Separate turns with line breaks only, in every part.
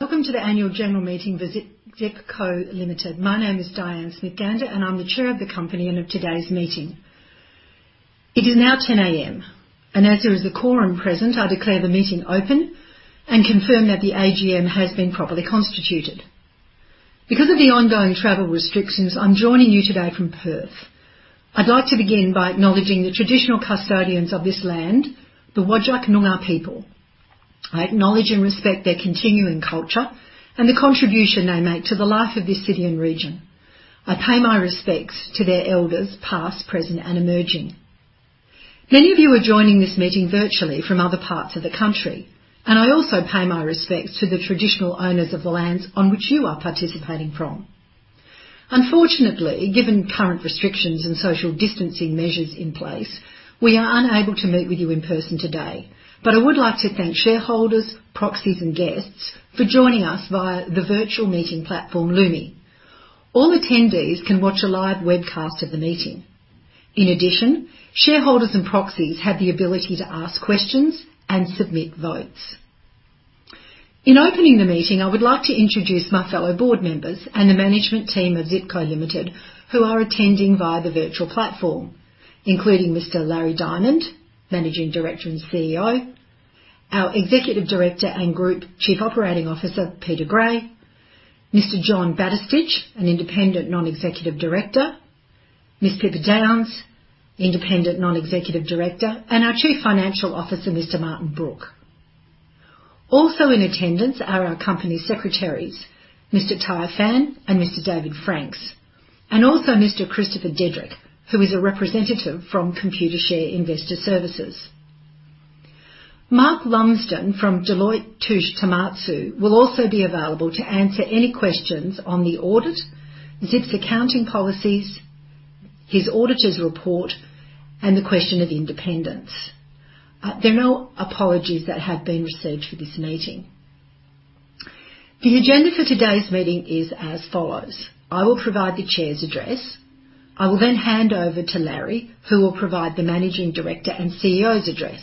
Welcome to the Annual General Meeting for Zip Co Limited. My name is Diane Smith-Gander, and I'm the Chair of the company and of today's meeting. It is now 10:00 A.M., and as there is a quorum present, I declare the meeting open and confirm that the AGM has been properly constituted. Because of the ongoing travel restrictions, I'm joining you today from Perth. I'd like to begin by acknowledging the traditional custodians of this land, the Whadjuk Noongar people. I acknowledge and respect their continuing culture and the contribution they make to the life of this city and region. I pay my respects to their elders, past, present, and emerging. Many of you are joining this meeting virtually from other parts of the country, and I also pay my respects to the traditional owners of the lands on which you are participating from. Unfortunately, given current restrictions and social distancing measures in place, we are unable to meet with you in person today. I would like to thank shareholders, proxies, and guests for joining us via the virtual meeting platform, Lumi. All attendees can watch a live webcast of the meeting. In addition, shareholders and proxies have the ability to ask questions and submit votes. In opening the meeting, I would like to introduce my fellow board members and the management team of Zip Co Limited who are attending via the virtual platform, including Mr. Larry Diamond, Managing Director and CEO, our Executive Director and Group Chief Operating Officer, Peter Gray, Mr. John Batistich, an independent non-executive director, Ms. Pippa Downes, independent non-executive director, and our Chief Financial Officer, Mr. Martin Brooke. Also in attendance are our company secretaries, Mr. Tai Phan and Mr. David Franks. And also Mr. Christopher Dedrick, who is a representative from Computershare Investor Services. Mark Lumsden from Deloitte Touche Tohmatsu will also be available to answer any questions on the audit, Zip's accounting policies, his auditor's report, and the question of independence. There are no apologies that have been received for this meeting. The agenda for today's meeting is as follows. I will provide the Chair's address. I will then hand over to Larry, who will provide the Managing Director and CEO's address.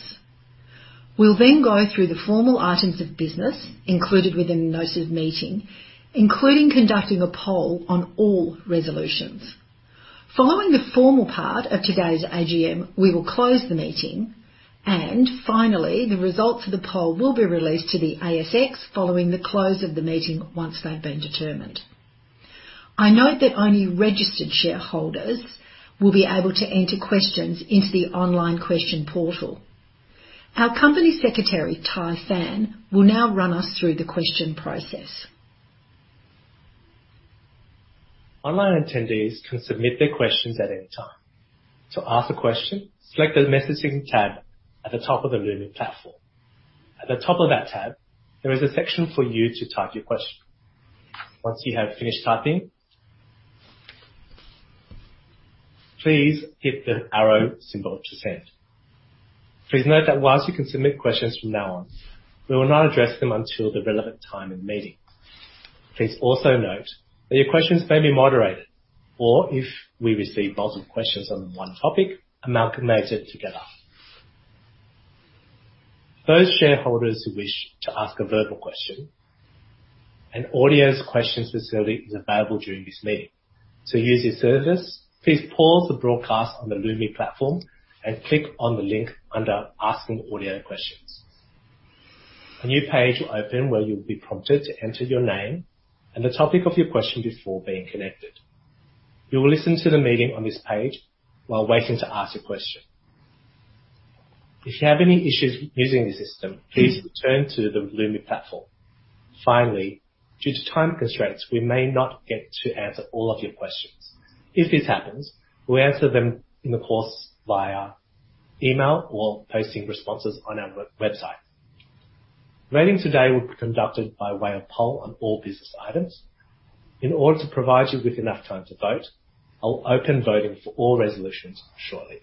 We'll then go through the formal items of business included within the notice of meeting, including conducting a poll on all resolutions. Following the formal part of today's AGM, we will close the meeting, and finally, the results of the poll will be released to the ASX following the close of the meeting once they've been determined. I note that only registered shareholders will be able to enter questions into the online question portal. Our Company Secretary, Tai Phan, will now run us through the question process.
Online attendees can submit their questions at any time. To ask a question, select the messaging tab at the top of the Lumi platform. At the top of that tab, there is a section for you to type your question. Once you have finished typing, please hit the arrow symbol to send. Please note that while you can submit questions from now on, we will not address them until the relevant time in the meeting. Please also note that your questions may be moderated, or if we receive multiple questions on one topic, amalgamated together. For those shareholders who wish to ask a verbal question, an audio question facility is available during this meeting. To use this service, please pause the broadcast on the Lumi platform and click on the link under Asking Audio Questions. A new page will open where you'll be prompted to enter your name and the topic of your question before being connected. You will listen to the meeting on this page while waiting to ask a question. If you have any issues using the system, please return to the Lumi platform. Finally, due to time constraints, we may not get to answer all of your questions. If this happens, we'll answer them in the course via email or posting responses on our website. Voting today will be conducted by way of poll on all business items. In order to provide you with enough time to vote, I'll open voting for all resolutions shortly.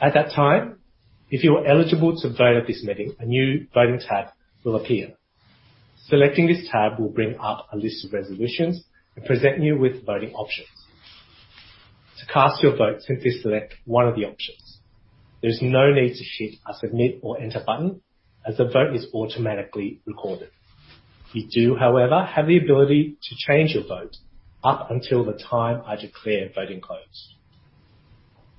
At that time, if you are eligible to vote at this meeting, a new voting tab will appear. Selecting this tab will bring up a list of resolutions and present you with voting options. To cast your vote, simply select one of the options. There is no need to hit a submit or enter button as the vote is automatically recorded. You do, however, have the ability to change your vote up until the time I declare voting closed.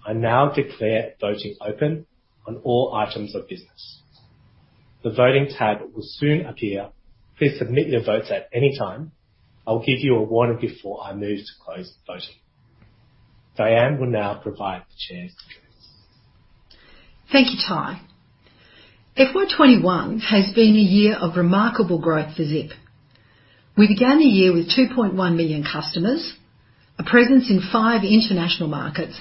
I now declare voting open on all items of business. The voting tab will soon appear. Please submit your votes at any time. I will give you a warning before I move to close voting. Diane will now provide the chair's address.
Thank you, Tai. FY 2021 has been a year of remarkable growth for Zip. We began the year with 2.1 million customers, a presence in five international markets,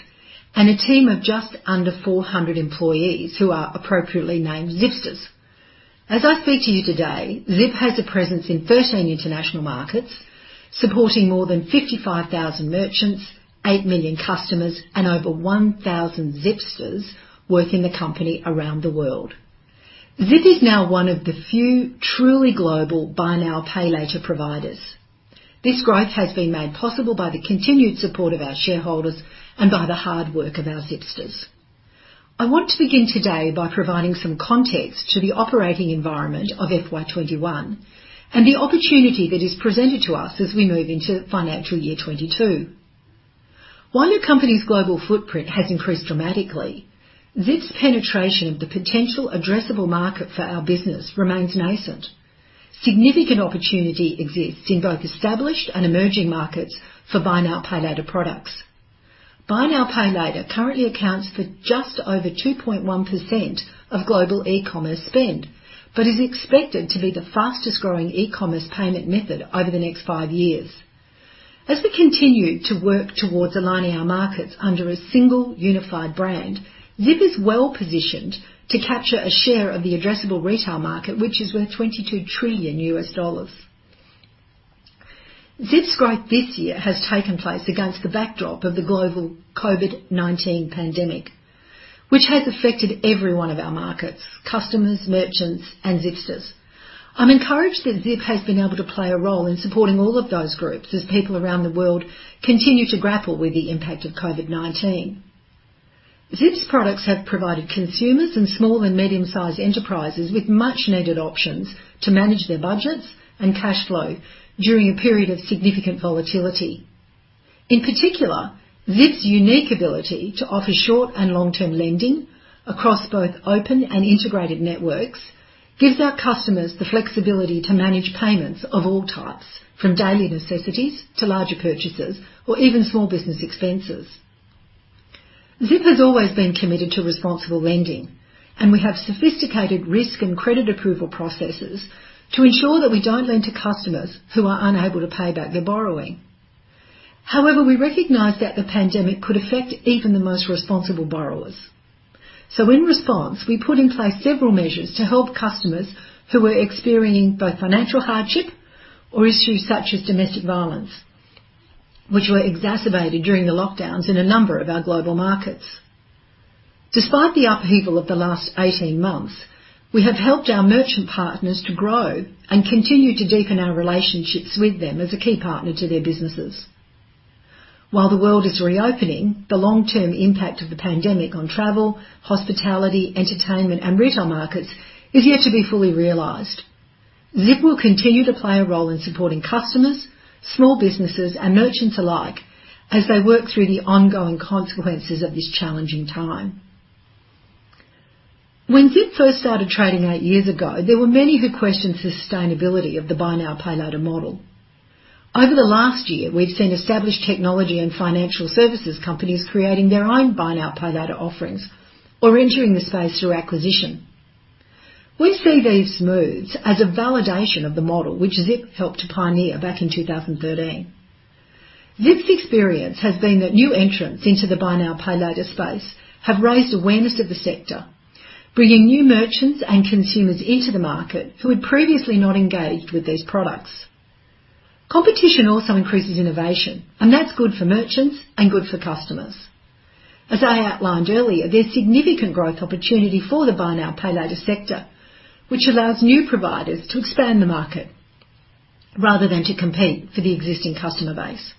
and a team of just under 400 employees who are appropriately named Zipsters. As I speak to you today, Zip has a presence in 13 international markets, supporting more than 55,000 merchants, 8 million customers, and over 1,000 Zipsters working the company around the world. Zip is now one of the few truly global buy now, pay later providers. This growth has been made possible by the continued support of our shareholders and by the hard work of our Zipsters. I want to begin today by providing some context to the operating environment of FY 2021 and the opportunity that is presented to us as we move into FY 2022. While the company's global footprint has increased dramatically, Zip's penetration of the potential addressable market for our business remains nascent. Significant opportunity exists in both established and emerging markets for buy now, pay later products. Buy now, pay later currently accounts for just over 2.1% of global e-commerce spend, but is expected to be the fastest-growing e-commerce payment method over the next five years. As we continue to work towards aligning our markets under a single unified brand, Zip is well-positioned to capture a share of the addressable retail market, which is worth $22 trillion. Zip's growth this year has taken place against the backdrop of the global COVID-19 pandemic, which has affected every one of our markets, customers, merchants, and Zipsters. I'm encouraged that Zip has been able to play a role in supporting all of those groups as people around the world continue to grapple with the impact of COVID-19. Zip's products have provided consumers and small and medium-sized enterprises with much-needed options to manage their budgets and cash flow during a period of significant volatility. In particular, Zip's unique ability to offer short and long-term lending across both open and integrated networks gives our customers the flexibility to manage payments of all types, from daily necessities to larger purchases or even small business expenses. Zip has always been committed to responsible lending, and we have sophisticated risk and credit approval processes to ensure that we don't lend to customers who are unable to pay back their borrowing. However, we recognize that the pandemic could affect even the most responsible borrowers. In response, we put in place several measures to help customers who were experiencing both financial hardship or issues such as domestic violence, which were exacerbated during the lockdowns in a number of our global markets. Despite the upheaval of the last 18 months, we have helped our merchant partners to grow and continue to deepen our relationships with them as a key partner to their businesses. While the world is reopening, the long-term impact of the pandemic on travel, hospitality, entertainment, and retail markets is yet to be fully realized. Zip will continue to play a role in supporting customers, small businesses, and merchants alike as they work through the ongoing consequences of this challenging time. When Zip first started trading eight years ago, there were many who questioned the sustainability of the buy now, pay later model. Over the last year, we've seen established technology and financial services companies creating their own buy now, pay later offerings or entering the space through acquisition. We see these moves as a validation of the model, which Zip helped to pioneer back in 2013. Zip's experience has been that new entrants into the buy now, pay later space have raised awareness of the sector, bringing new merchants and consumers into the market who had previously not engaged with these products. Competition also increases innovation, and that's good for merchants and good for customers. As I outlined earlier, there's significant growth opportunity for the buy now, pay later sector, which allows new providers to expand the market rather than to compete for the existing customer base.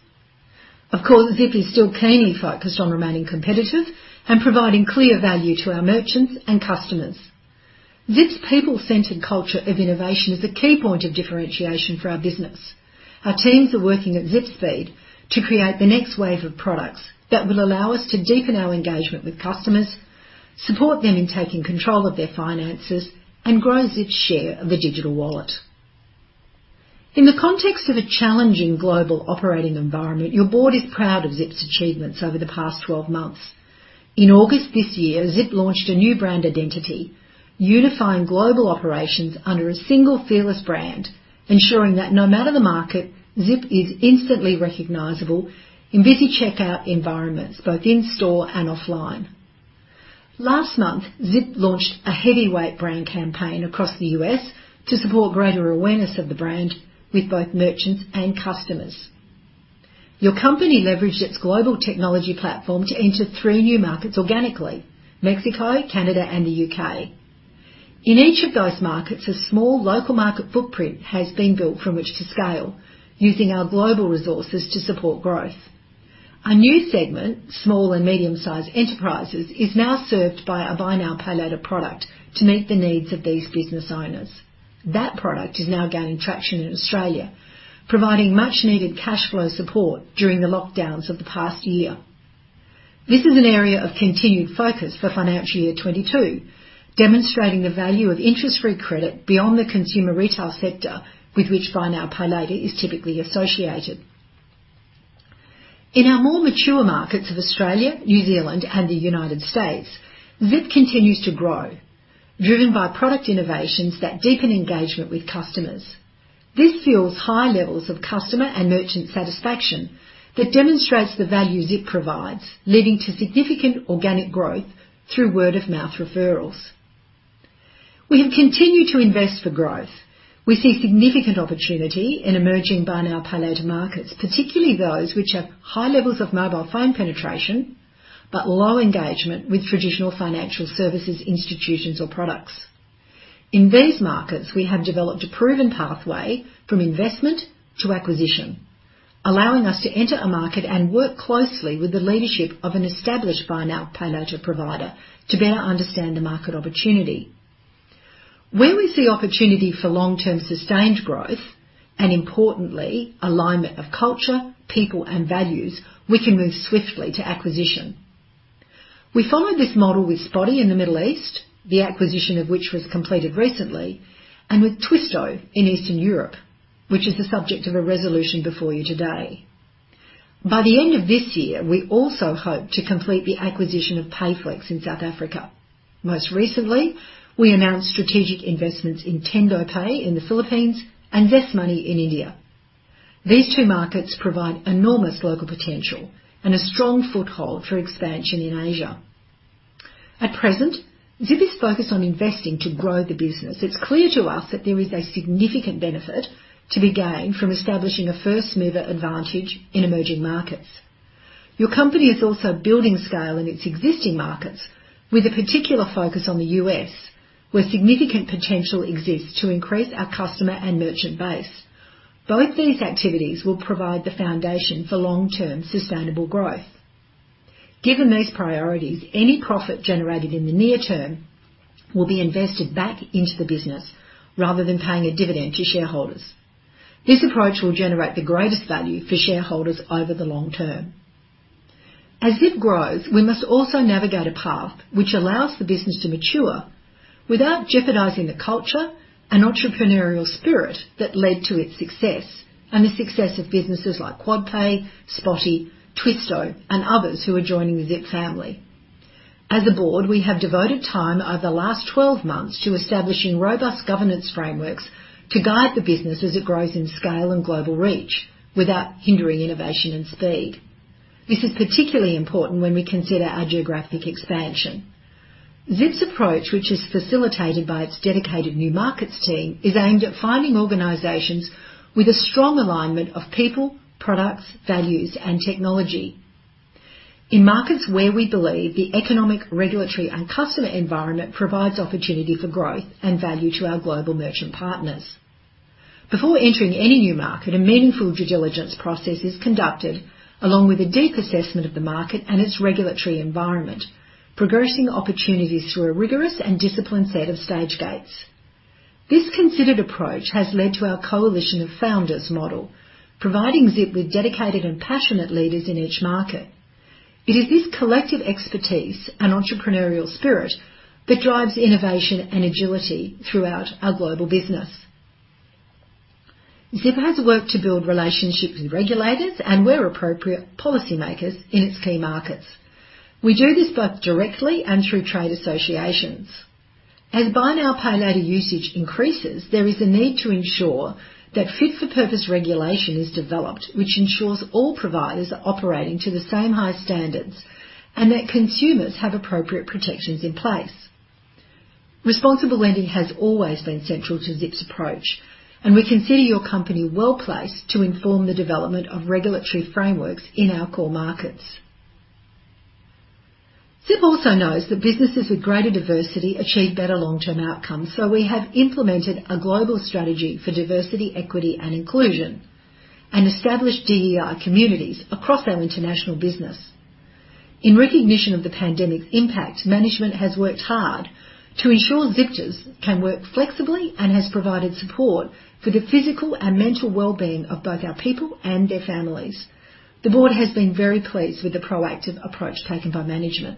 Of course, Zip is still keenly focused on remaining competitive and providing clear value to our merchants and customers. Zip's people-centered culture of innovation is a key point of differentiation for our business. Our teams are working at Zip speed to create the next wave of products that will allow us to deepen our engagement with customers, support them in taking control of their finances, and grow Zip's share of the digital wallet. In the context of a challenging global operating environment, your board is proud of Zip's achievements over the past 12 months. In August this year, Zip launched a new brand identity, unifying global operations under a single fearless brand, ensuring that no matter the market, Zip is instantly recognizable in busy checkout environments, both in store and offline. Last month, Zip launched a heavyweight brand campaign across the U.S. to support greater awareness of the brand with both merchants and customers. Your company leveraged its global technology platform to enter three new markets organically, Mexico, Canada, and the U.K. In each of those markets, a small local market footprint has been built from which to scale using our global resources to support growth. A new segment, small and medium-sized enterprises, is now served by a buy now, pay later product to meet the needs of these business owners. That product is now gaining traction in Australia, providing much-needed cash flow support during the lockdowns of the past year. This is an area of continued focus for financial year 2022, demonstrating the value of interest-free credit beyond the consumer retail sector with which buy now, pay later is typically associated. In our more mature markets of Australia, New Zealand, and the United States, Zip continues to grow, driven by product innovations that deepen engagement with customers. This fuels high levels of customer and merchant satisfaction that demonstrates the value Zip provides, leading to significant organic growth through word-of-mouth referrals. We have continued to invest for growth. We see significant opportunity in emerging buy now, pay later markets, particularly those which have high levels of mobile phone penetration but low engagement with traditional financial services, institutions or products. In these markets, we have developed a proven pathway from investment to acquisition, allowing us to enter a market and work closely with the leadership of an established buy now, pay later provider to better understand the market opportunity. Where we see opportunity for long-term sustained growth and importantly, alignment of culture, people and values, we can move swiftly to acquisition. We followed this model with Spotii in the Middle East, the acquisition of which was completed recently, and with Twisto in Eastern Europe, which is the subject of a resolution before you today. By the end of this year, we also hope to complete the acquisition of Payflex in South Africa. Most recently, we announced strategic investments in TendoPay in the Philippines and ZestMoney in India. These two markets provide enormous local potential and a strong foothold for expansion in Asia. At present, Zip is focused on investing to grow the business. It's clear to us that there is a significant benefit to be gained from establishing a first-mover advantage in emerging markets. Your company is also building scale in its existing markets with a particular focus on the U.S., where significant potential exists to increase our customer and merchant base. Both these activities will provide the foundation for long-term sustainable growth. Given these priorities, any profit generated in the near term will be invested back into the business rather than paying a dividend to shareholders. This approach will generate the greatest value for shareholders over the long term. As Zip grows, we must also navigate a path which allows the business to mature without jeopardizing the culture and entrepreneurial spirit that led to its success, and the success of businesses like QuadPay, Spotii, Twisto and others who are joining the Zip family. As a board, we have devoted time over the last twelve months to establishing robust governance frameworks to guide the business as it grows in scale and global reach without hindering innovation and speed. This is particularly important when we consider our geographic expansion. Zip's approach, which is facilitated by its dedicated new markets team, is aimed at finding organizations with a strong alignment of people, products, values and technology. In markets where we believe the economic, regulatory and customer environment provides opportunity for growth and value to our global merchant partners. Before entering any new market, a meaningful due diligence process is conducted along with a deep assessment of the market and its regulatory environment, progressing opportunities through a rigorous and disciplined set of stage gates. This considered approach has led to our coalition of founders model, providing Zip with dedicated and passionate leaders in each market. It is this collective expertise and entrepreneurial spirit that drives innovation and agility throughout our global business. Zip has worked to build relationships with regulators and where appropriate, policymakers in its key markets. We do this both directly and through trade associations. As buy now, pay later usage increases, there is a need to ensure that fit for purpose regulation is developed, which ensures all providers are operating to the same high standards and that consumers have appropriate protections in place. Responsible lending has always been central to Zip's approach and we consider your company well-placed to inform the development of regulatory frameworks in our core markets. Zip also knows that businesses with greater diversity achieve better long-term outcomes. We have implemented a global strategy for diversity, equity and inclusion and established DEI communities across our international business. In recognition of the pandemic's impact, management has worked hard to ensure Zipsters can work flexibly and has provided support for the physical and mental well-being of both our people and their families. The board has been very pleased with the proactive approach taken by management.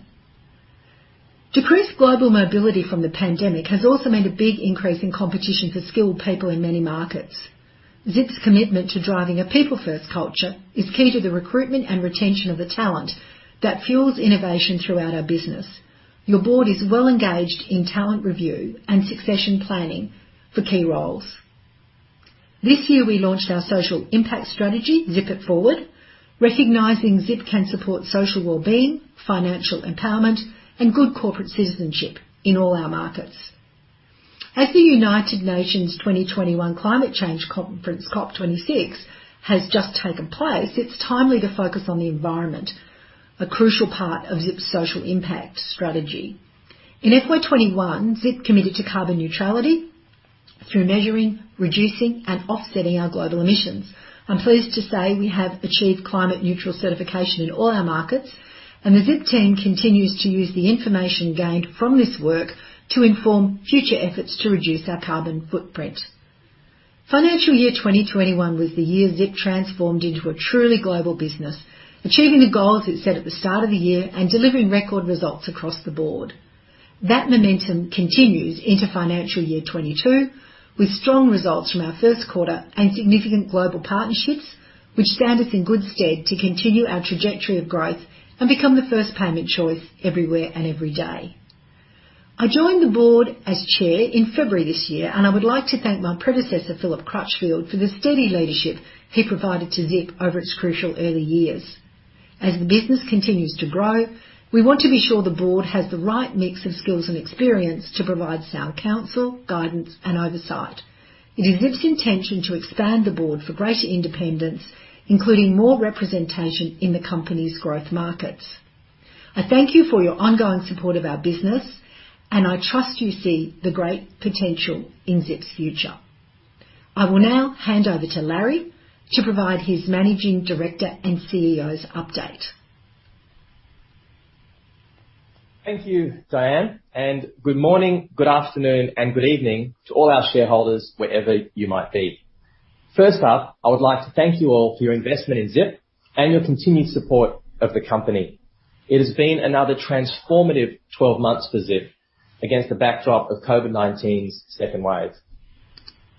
Decreased global mobility from the pandemic has also meant a big increase in competition for skilled people in many markets. Zip's commitment to driving a people-first culture is key to the recruitment and retention of the talent that fuels innovation throughout our business. Your board is well engaged in talent review and succession planning for key roles. This year, we launched our social impact strategy, Zip It Forward, recognizing Zip can support social well-being, financial empowerment and good corporate citizenship in all our markets. As the United Nations' 2021 Climate Change Conference, COP26, has just taken place, it's timely to focus on the environment, a crucial part of Zip's social impact strategy. In FY 2021, Zip committed to carbon neutrality through measuring, reducing and offsetting our global emissions. I'm pleased to say we have achieved climate neutral certification in all our markets and the Zip team continues to use the information gained from this work to inform future efforts to reduce our carbon footprint. Financial year 2021 was the year Zip transformed into a truly global business, achieving the goals it set at the start of the year and delivering record results across the board. That momentum continues into financial year 2022, with strong results from our first quarter and significant global partnerships, which stand us in good stead to continue our trajectory of growth and become the first payment choice everywhere and every day. I joined the board as chair in February this year and I would like to thank my predecessor, Philip Crutchfield, for the steady leadership he provided to Zip over its crucial early years. As the business continues to grow, we want to be sure the board has the right mix of skills and experience to provide sound counsel, guidance, and oversight. It is Zip's intention to expand the board for greater independence, including more representation in the company's growth markets. I thank you for your ongoing support of our business, and I trust you see the great potential in Zip's future. I will now hand over to Larry to provide his managing director and CEO's update.
Thank you, Diane, and good morning, good afternoon, and good evening to all our shareholders, wherever you might be. First up, I would like to thank you all for your investment in Zip and your continued support of the company. It has been another transformative 12 months for Zip against the backdrop of COVID-19's second wave.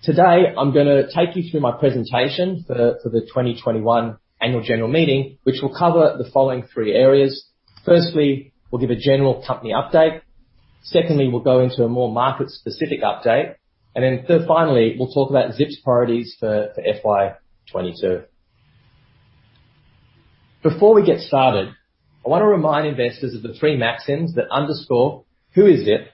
Today, I'm gonna take you through my presentation for the 2021 annual general meeting, which will cover the following three areas. Firstly, we'll give a general company update. Secondly, we'll go into a more market-specific update. Finally, we'll talk about Zip's priorities for FY 2022. Before we get started, I wanna remind investors of the three maxims that underscore who is Zip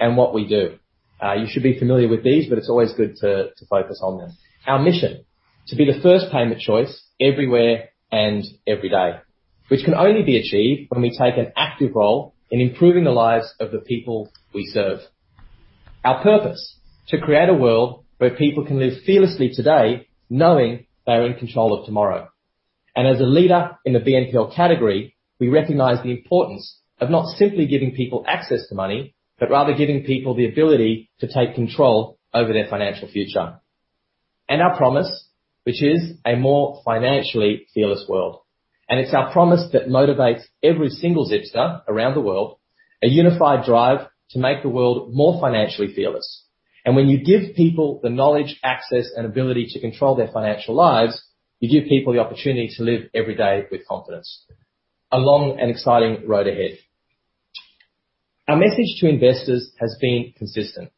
and what we do. You should be familiar with these, but it's always good to focus on them. Our mission: to be the first payment choice everywhere and every day, which can only be achieved when we take an active role in improving the lives of the people we serve. Our purpose: to create a world where people can live fearlessly today knowing they're in control of tomorrow. As a leader in the BNPL category, we recognize the importance of not simply giving people access to money, but rather giving people the ability to take control over their financial future. Our promise, which is a more financially fearless world. It's our promise that motivates every single Zipster around the world, a unified drive to make the world more financially fearless. When you give people the knowledge, access, and ability to control their financial lives, you give people the opportunity to live every day with confidence. A long and exciting road ahead. Our message to investors has been consistent.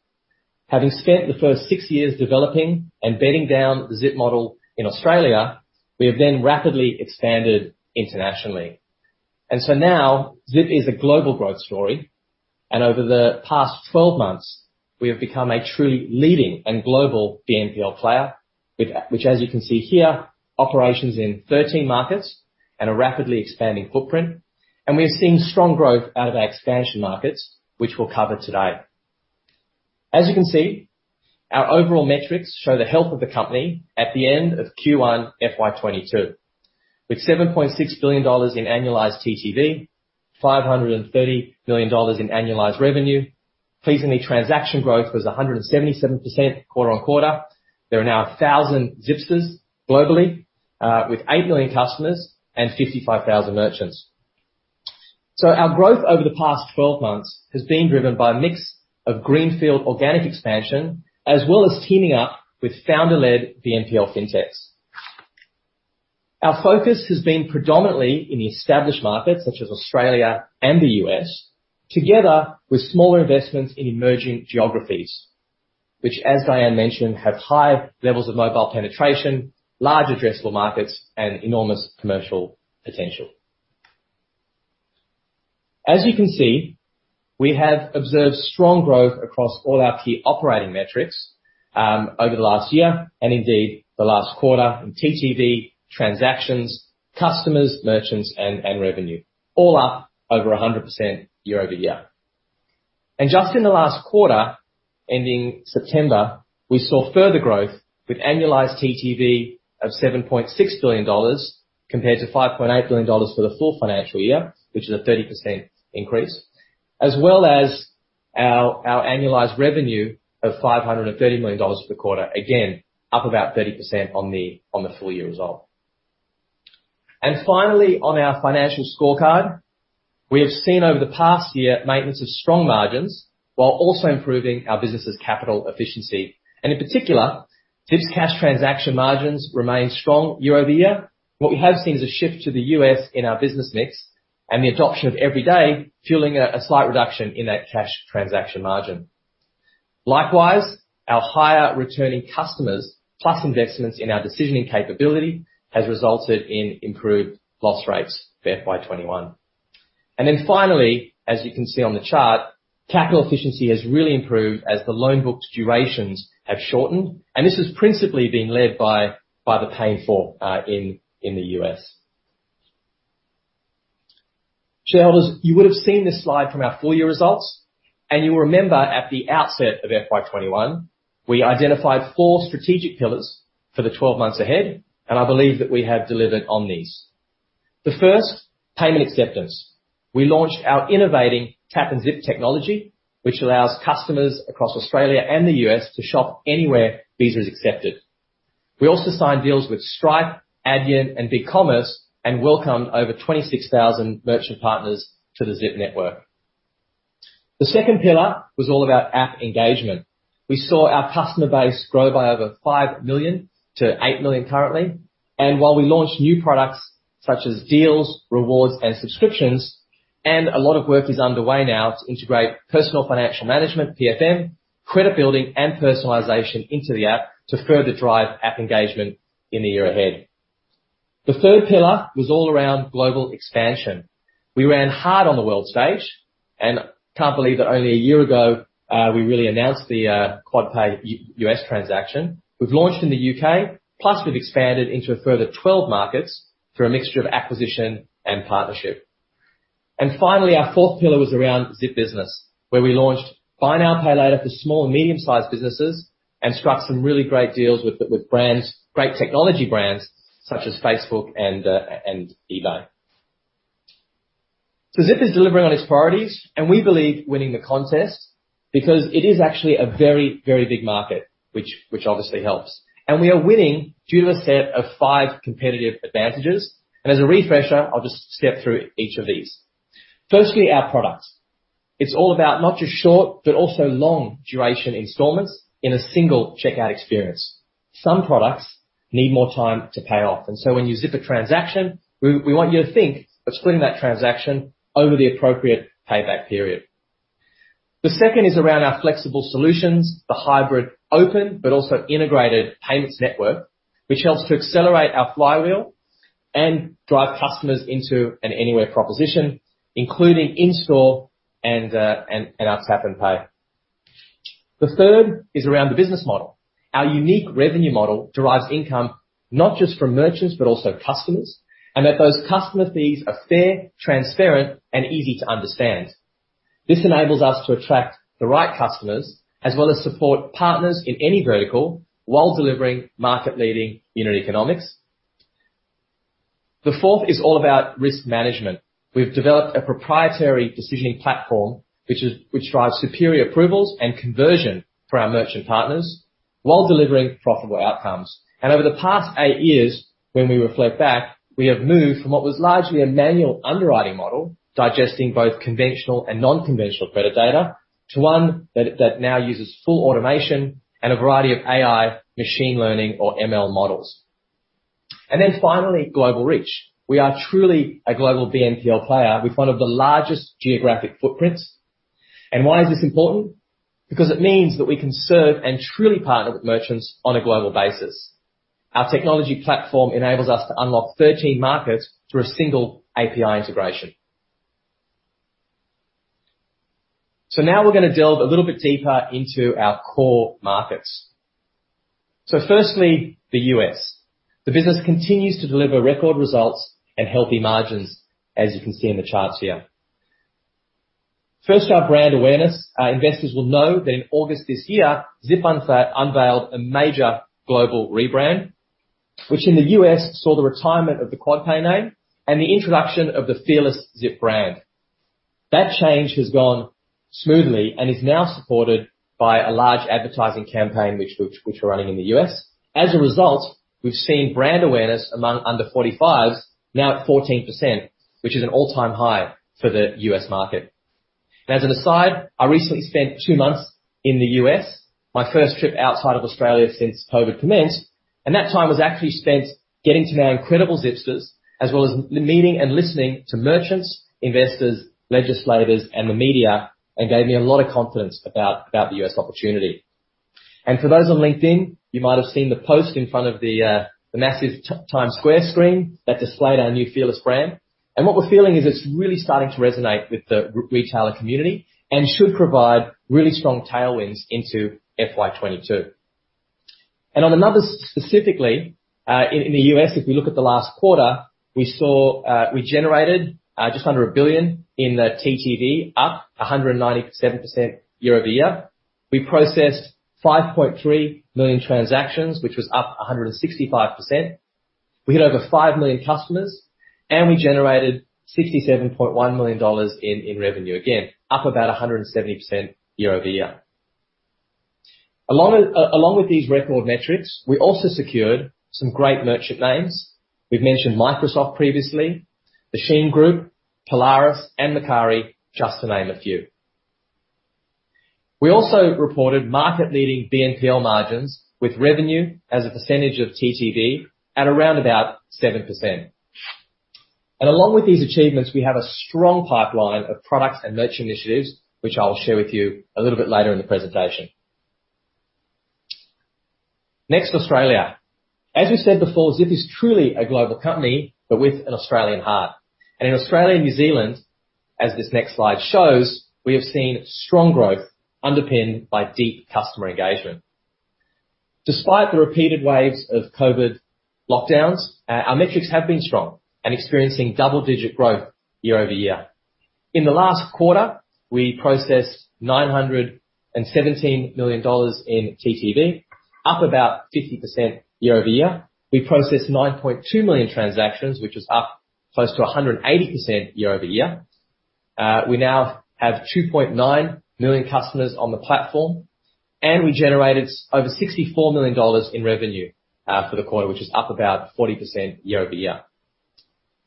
Having spent the first 6 years developing and bedding down the Zip model in Australia, we have then rapidly expanded internationally. Now, Zip is a global growth story, and over the past 12 months, we have become a truly leading and global BNPL player with which, as you can see here, operations in 13 markets and a rapidly expanding footprint. We're seeing strong growth out of our expansion markets, which we'll cover today. As you can see, our overall metrics show the health of the company at the end of Q1 FY 2022 with 7.6 billion dollars in annualized TTV, 530 million dollars in annualized revenue. Pleasingly, transaction growth was 177% quarter-on-quarter. There are now 1,000 Zipsters globally with 8 million customers and 55,000 merchants. Our growth over the past 12 months has been driven by a mix of greenfield organic expansion, as well as teaming up with founder-led BNPL fintechs. Our focus has been predominantly in the established markets, such as Australia and the U.S., together with smaller investments in emerging geographies, which, as Diane mentioned, have high levels of mobile penetration, large addressable markets, and enormous commercial potential. As you can see, we have observed strong growth across all our key operating metrics over the last year and indeed the last quarter in TTV, transactions, customers, merchants, and revenue. All up over 100% year-over-year. Just in the last quarter ending September, we saw further growth with annualized TTV of 7.6 billion dollars compared to 5.8 billion dollars for the full financial year, which is a 30% increase, as well as our annualized revenue of 530 million dollars per quarter. Again, up about 30% on the full year result. Finally, on our financial scorecard, we have seen over the past year maintenance of strong margins while also improving our business' capital efficiency. In particular, Zip's cash transaction margins remain strong year-over-year. What we have seen is a shift to the U.S. in our business mix and the adoption of everyday financing, a slight reduction in that cash transaction margin. Likewise, our higher returning customers, plus investments in our decisioning capability, has resulted in improved loss rates for FY 2021. Finally, as you can see on the chart, capital efficiency has really improved as the loan books' durations have shortened, and this has principally been led by the pay in full in the U.S. Shareholders, you would've seen this slide from our full year results, and you'll remember at the outset of FY 2021, we identified four strategic pillars for the 12 months ahead, and I believe that we have delivered on these. The first, payment acceptance. We launched our innovative tap and Zip technology, which allows customers across Australia and the U.S. to shop anywhere Visa is accepted. We also signed deals with Stripe, Adyen, and BigCommerce, and welcomed over 26,000 merchant partners to the Zip network. The second pillar was all about app engagement. We saw our customer base grow by over 5 million to 8 million currently. While we launched new products such as deals, rewards, and subscriptions and a lot of work is underway now to integrate personal financial management, PFM, credit building, and personalization into the app to further drive app engagement in the year ahead. The third pillar was all around global expansion. We ran hard on the world stage, and can't believe that only a year ago, we really announced the QuadPay U.S. transaction. We've launched in the U.K., plus we've expanded into a further 12 markets through a mixture of acquisition and partnership. Finally, our fourth pillar was around Zip Business, where we launched buy now, pay later for small, medium-sized businesses and struck some really great deals with brands, great technology brands such as Facebook and eBay. Zip is delivering on its priorities, and we believe winning the contest because it is actually a very, very big market, which obviously helps. We are winning due to a set of five competitive advantages. As a refresher, I'll just step through each of these. Firstly, our products. It's all about not just short, but also long duration installments in a single checkout experience. Some products need more time to pay off. When you zip a transaction, we want you to think of splitting that transaction over the appropriate payback period. The second is around our flexible solutions, the hybrid open, but also integrated payments network, which helps to accelerate our flywheel and drive customers into an anywhere proposition, including in-store and our tap and pay. The third is around the business model. Our unique revenue model derives income, not just from merchants, but also customers, and that those customer fees are fair, transparent, and easy to understand. This enables us to attract the right customers as well as support partners in any vertical while delivering market-leading unit economics. The fourth is all about risk management. We've developed a proprietary decisioning platform, which drives superior approvals and conversion for our merchant partners while delivering profitable outcomes. Over the past eight years, when we reflect back, we have moved from what was largely a manual underwriting model, digesting both conventional and non-conventional credit data to one that now uses full automation and a variety of AI, machine learning or ML models. Then finally, global reach. We are truly a global BNPL player with one of the largest geographic footprints. Why is this important? Because it means that we can serve and truly partner with merchants on a global basis. Our technology platform enables us to unlock 13 markets through a single API integration. Now we're gonna delve a little bit deeper into our core markets. Firstly, the U.S. The business continues to deliver record results and healthy margins, as you can see in the charts here. First, our brand awareness. Our investors will know that in August this year, Zip unveiled a major global rebrand, which in the U.S., saw the retirement of the QuadPay name and the introduction of the Fearless Zip brand. That change has gone smoothly and is now supported by a large advertising campaign which we're running in the U.S. As a result, we've seen brand awareness among under 45s now at 14%, which is an all-time high for the U.S. market. Now, as an aside, I recently spent 2 months in the U.S., my first trip outside of Australia since COVID commenced, and that time was actually spent getting to know incredible Zipsters, as well as meeting and listening to merchants, investors, legislators, and the media, and gave me a lot of confidence about the U.S. opportunity. For those on LinkedIn, you might have seen the post in front of the massive Times Square screen that displayed our new Fearless brand. What we're feeling is it's really starting to resonate with the retailer community and should provide really strong tailwinds into FY 2022. On another specifically, in the U.S., if we look at the last quarter, we saw we generated just under $1 billion in the TTV, up 197% year-over-year. We processed 5.3 million transactions, which was up 165%. We had over 5 million customers, and we generated $67.1 million in revenue. Again, up about 170% year-over-year. Along with these record metrics, we also secured some great merchant names. We've mentioned Microsoft previously, Machine Group, Polaris, and Mercari, just to name a few. We also reported market-leading BNPL margins with revenue as a percentage of TTV at around about 7%. Along with these achievements, we have a strong pipeline of products and merchant initiatives, which I'll share with you a little bit later in the presentation. Next, Australia. As we said before, Zip is truly a global company, but with an Australian heart. In Australia and New Zealand, as this next slide shows, we have seen strong growth underpinned by deep customer engagement. Despite the repeated waves of COVID lockdowns, our metrics have been strong and experiencing double-digit growth year-over-year. In the last quarter, we processed 917 million dollars in TTV, up about 50% year-over-year. We processed 9.2 million transactions, which was up close to 180% year-over-year. We now have 2.9 million customers on the platform, and we generated over 64 million dollars in revenue for the quarter, which is up about 40% year-over-year.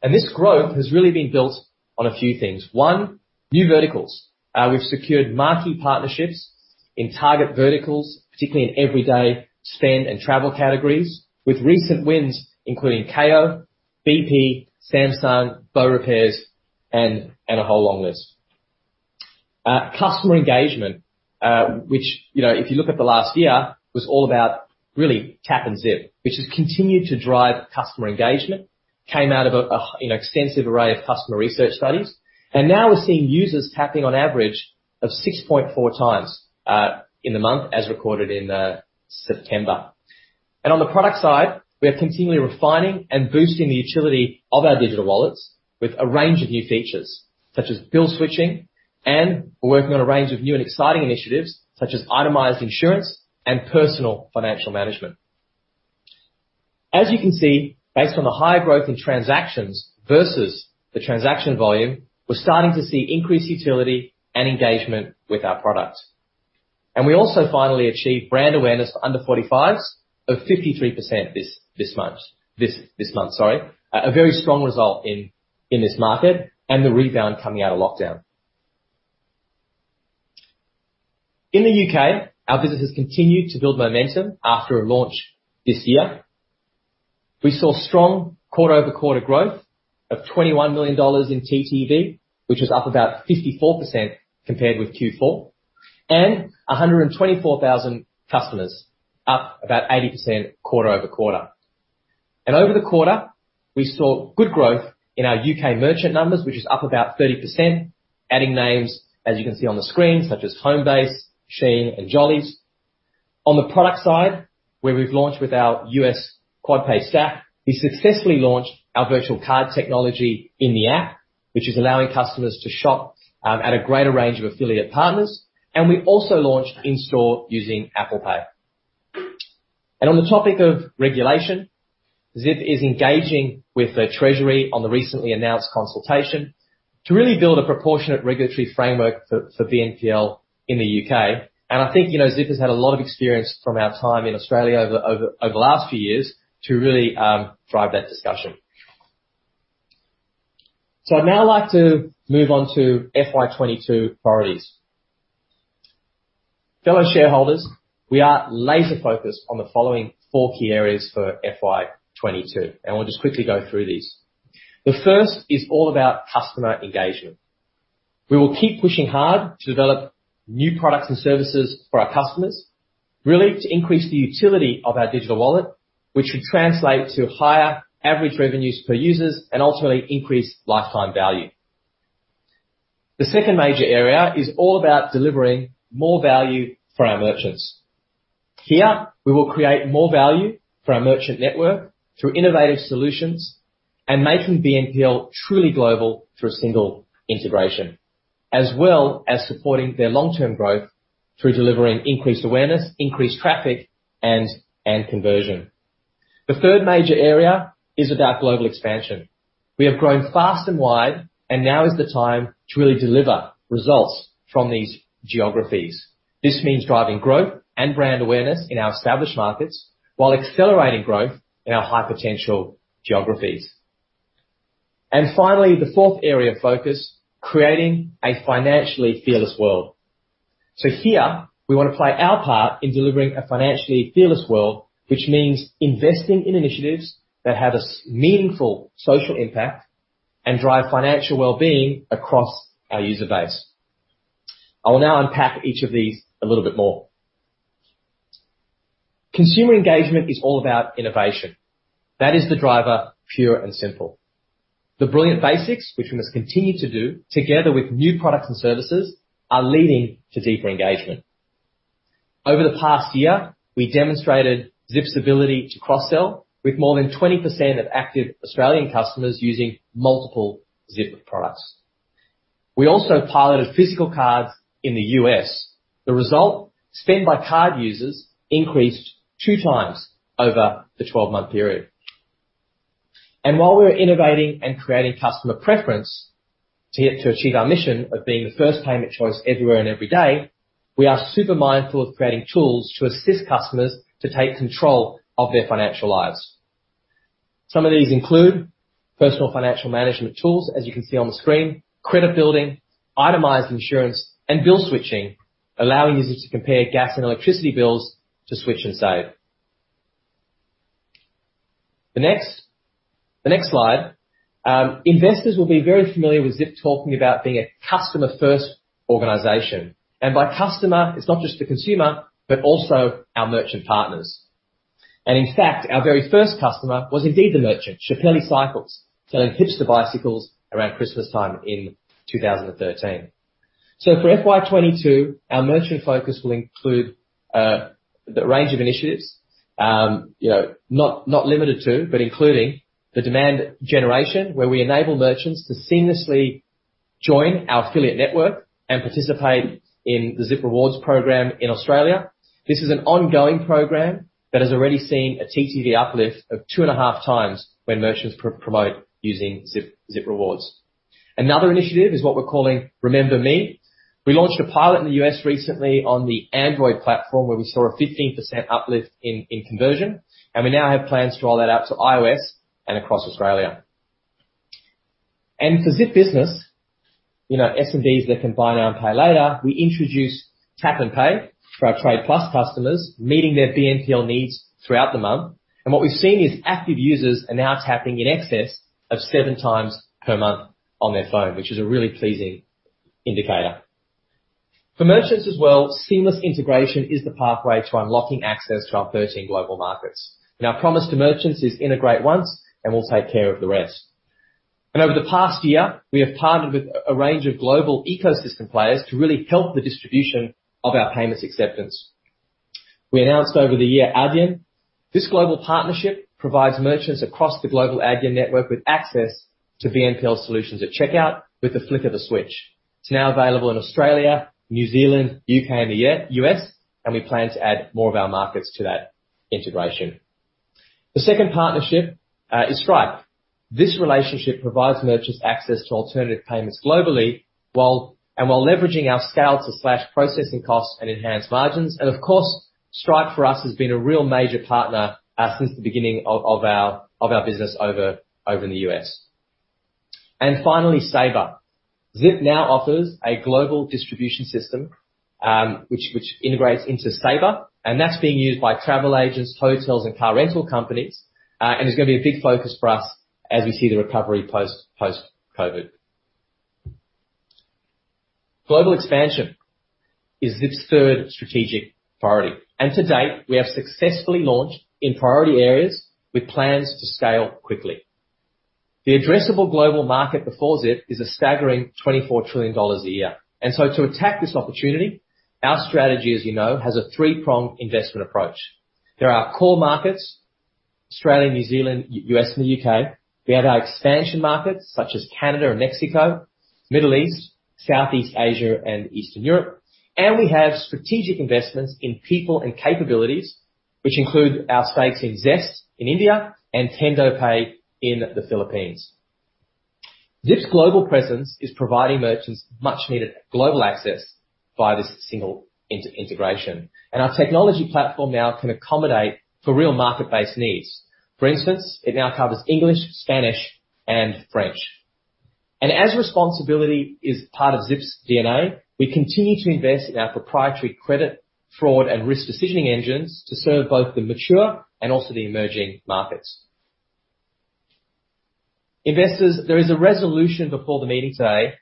This growth has really been built on a few things. One, new verticals. We've secured marquee partnerships in target verticals, particularly in everyday spend and travel categories, with recent wins including Kao, BP, Samsung, Beaurepaires, and a whole long list. Customer engagement, which, you know, if you look at the last year, was all about really tap and Zip, which has continued to drive customer engagement, came out of an extensive array of customer research studies. Now we're seeing users tapping an average of 6.4x in the month, as recorded in September. On the product side, we are continually refining and boosting the utility of our digital wallets with a range of new features, such as bill switching, and we're working on a range of new and exciting initiatives, such as itemized insurance and personal financial management. As you can see, based on the high growth in transactions versus the transaction volume, we're starting to see increased utility and engagement with our products. We also finally achieved brand awareness for under 45s of 53% this month. Sorry. A very strong result in this market and the rebound coming out of lockdown. In the U.K., our business has continued to build momentum after a launch this year. We saw strong quarter-over-quarter growth of 21 million dollars in TTV, which was up about 54% compared with Q4, and 124,000 customers, up about 80% quarter-over-quarter. Over the quarter, we saw good growth in our U.K. merchant numbers, which is up about 30%, adding names as you can see on the screen, such as Homebase, SHEIN, and Jollyes. On the product side, where we've launched with our U.S. QuadPay stack, we successfully launched our virtual card technology in the app, which is allowing customers to shop at a greater range of affiliate partners. We also launched in-store using Apple Pay. On the topic of regulation, Zip is engaging with the Treasury on the recently announced consultation to really build a proportionate regulatory framework for BNPL in the U.K. I think, you know, Zip has had a lot of experience from our time in Australia over the last few years to really drive that discussion. I'd now like to move on to FY 2022 priorities. Fellow shareholders, we are laser-focused on the following four key areas for FY 2022, and we'll just quickly go through these. The first is all about customer engagement. We will keep pushing hard to develop new products and services for our customers, really to increase the utility of our digital wallet, which should translate to higher average revenues per users and ultimately increase lifetime value. The second major area is all about delivering more value for our merchants. Here, we will create more value for our merchant network through innovative solutions and making BNPL truly global through a single integration, as well as supporting their long-term growth through delivering increased awareness, increased traffic, and conversion. The third major area is about global expansion. We have grown fast and wide, and now is the time to really deliver results from these geographies. This means driving growth and brand awareness in our established markets while accelerating growth in our high-potential geographies. Finally, the fourth area of focus, creating a financially fearless world. Here we want to play our part in delivering a financially fearless world, which means investing in initiatives that have a significant meaningful social impact and drive financial wellbeing across our user base. I will now unpack each of these a little bit more. Consumer engagement is all about innovation. That is the driver, pure and simple. The brilliant basics, which we must continue to do together with new products and services, are leading to deeper engagement. Over the past year, we demonstrated Zip's ability to cross-sell with more than 20% of active Australian customers using multiple Zip products. We also piloted physical cards in the U.S. The result, spend by card users increased 2x over the 12-month period. While we're innovating and creating customer preference to achieve our mission of being the first payment choice everywhere and every day, we are super mindful of creating tools to assist customers to take control of their financial lives. Some of these include personal financial management tools, as you can see on the screen, credit building, itemized insurance, and bill switching, allowing users to compare gas and electricity bills to switch and save. The next slide. Investors will be very familiar with Zip talking about being a customer-first organization, and by customer, it's not just the consumer, but also our merchant partners. In fact, our very first customer was indeed the merchant, Cicinelli Cycles, selling Peter bicycles around Christmas time in 2013. For FY 2022, our merchant focus will include the range of initiatives, you know, not limited to, but including the demand generation, where we enable merchants to seamlessly join our affiliate network and participate in the Zip Rewards program in Australia. This is an ongoing program that has already seen a TTV uplift of 2.5x when merchants promote using Zip Rewards. Another initiative is what we're calling Remember Me. We launched a pilot in the U.S. recently on the Android platform, where we saw a 15% uplift in conversion, and we now have plans to roll that out to iOS and across Australia. For Zip Business, you know, SMBs that can buy now and pay later, we introduce tap and pay for our Trade Plus customers, meeting their BNPL needs throughout the month. What we've seen is active users are now tapping in excess of 7x per month on their phone, which is a really pleasing indicator. For merchants as well, seamless integration is the pathway to unlocking access to our 13 global markets. Our promise to merchants is integrate once, and we'll take care of the rest. Over the past year, we have partnered with a range of global ecosystem players to really help the distribution of our payments acceptance. We announced over the year Adyen. This global partnership provides merchants across the global Adyen network with access to BNPL solutions at checkout with the flick of a switch. It's now available in Australia, New Zealand, U.K., and the U.S., and we plan to add more of our markets to that integration. The second partnership is Stripe. This relationship provides merchants access to alternative payments globally, while leveraging our scale to slash processing costs and enhance margins. Of course, Stripe for us has been a real major partner since the beginning of our business over in the U.S. Finally, Sabre. Zip now offers a global distribution system which integrates into Sabre, and that's being used by travel agents, hotels, and car rental companies. It's gonna be a big focus for us as we see the recovery post-COVID. Global expansion is Zip's third strategic priority. To date, we have successfully launched in priority areas with plans to scale quickly. The addressable global market before Zip is a staggering 24 trillion dollars a year. To attack this opportunity, our strategy, as you know, has a three-pronged investment approach. There are core markets, Australia, New Zealand, U.S., and the U.K. We have our expansion markets, such as Canada and Mexico, Middle East, Southeast Asia, and Eastern Europe. We have strategic investments in people and capabilities, which include our stake in ZestMoney in India and TendoPay in the Philippines. Zip's global presence is providing merchants much-needed global access via this single integration. Our technology platform now can accommodate for real market-based needs. For instance, it now covers English, Spanish, and French. As responsibility is part of Zip's DNA, we continue to invest in our proprietary credit, fraud, and risk decisioning engines to serve both the mature and also the emerging markets. Investors, there is a resolution before the meeting today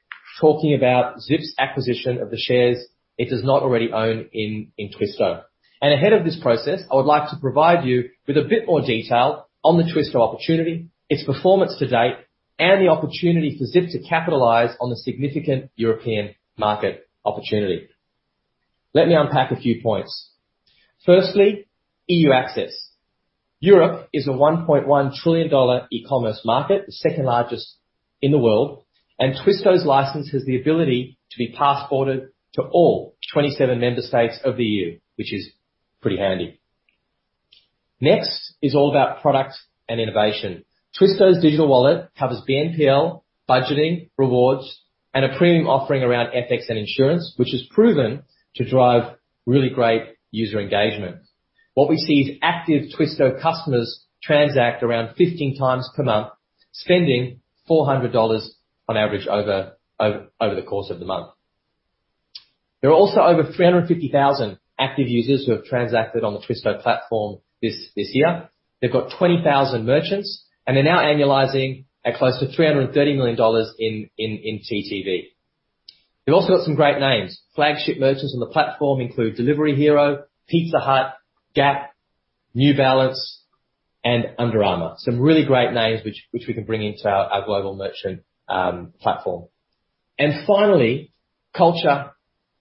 talking about Zip's acquisition of the shares it does not already own in Twisto. Ahead of this process, I would like to provide you with a bit more detail on the Twisto opportunity, its performance to date, and the opportunity for Zip to capitalize on the significant European market opportunity. Let me unpack a few points. Firstly, EU access. Europe is a 1.1 trillion dollar e-commerce market, the second-largest in the world, and Twisto's license has the ability to be passported to all 27 member states of the EU, which is pretty handy. Next is all about product and innovation. Twisto's digital wallet covers BNPL, budgeting, rewards, and a premium offering around FX and insurance, which has proven to drive really great user engagement. What we see is active Twisto customers transact around 15x per month, spending 400 dollars on average over the course of the month. There are also over 350,000 active users who have transacted on the Twisto platform this year. They've got 20,000 merchants, and they're now annualizing at close to 330 million dollars in TTV. They've also got some great names. Flagship merchants on the platform include Delivery Hero, Pizza Hut, Gap, New Balance, and Under Armour. Some really great names which we can bring into our global merchant platform. Finally, culture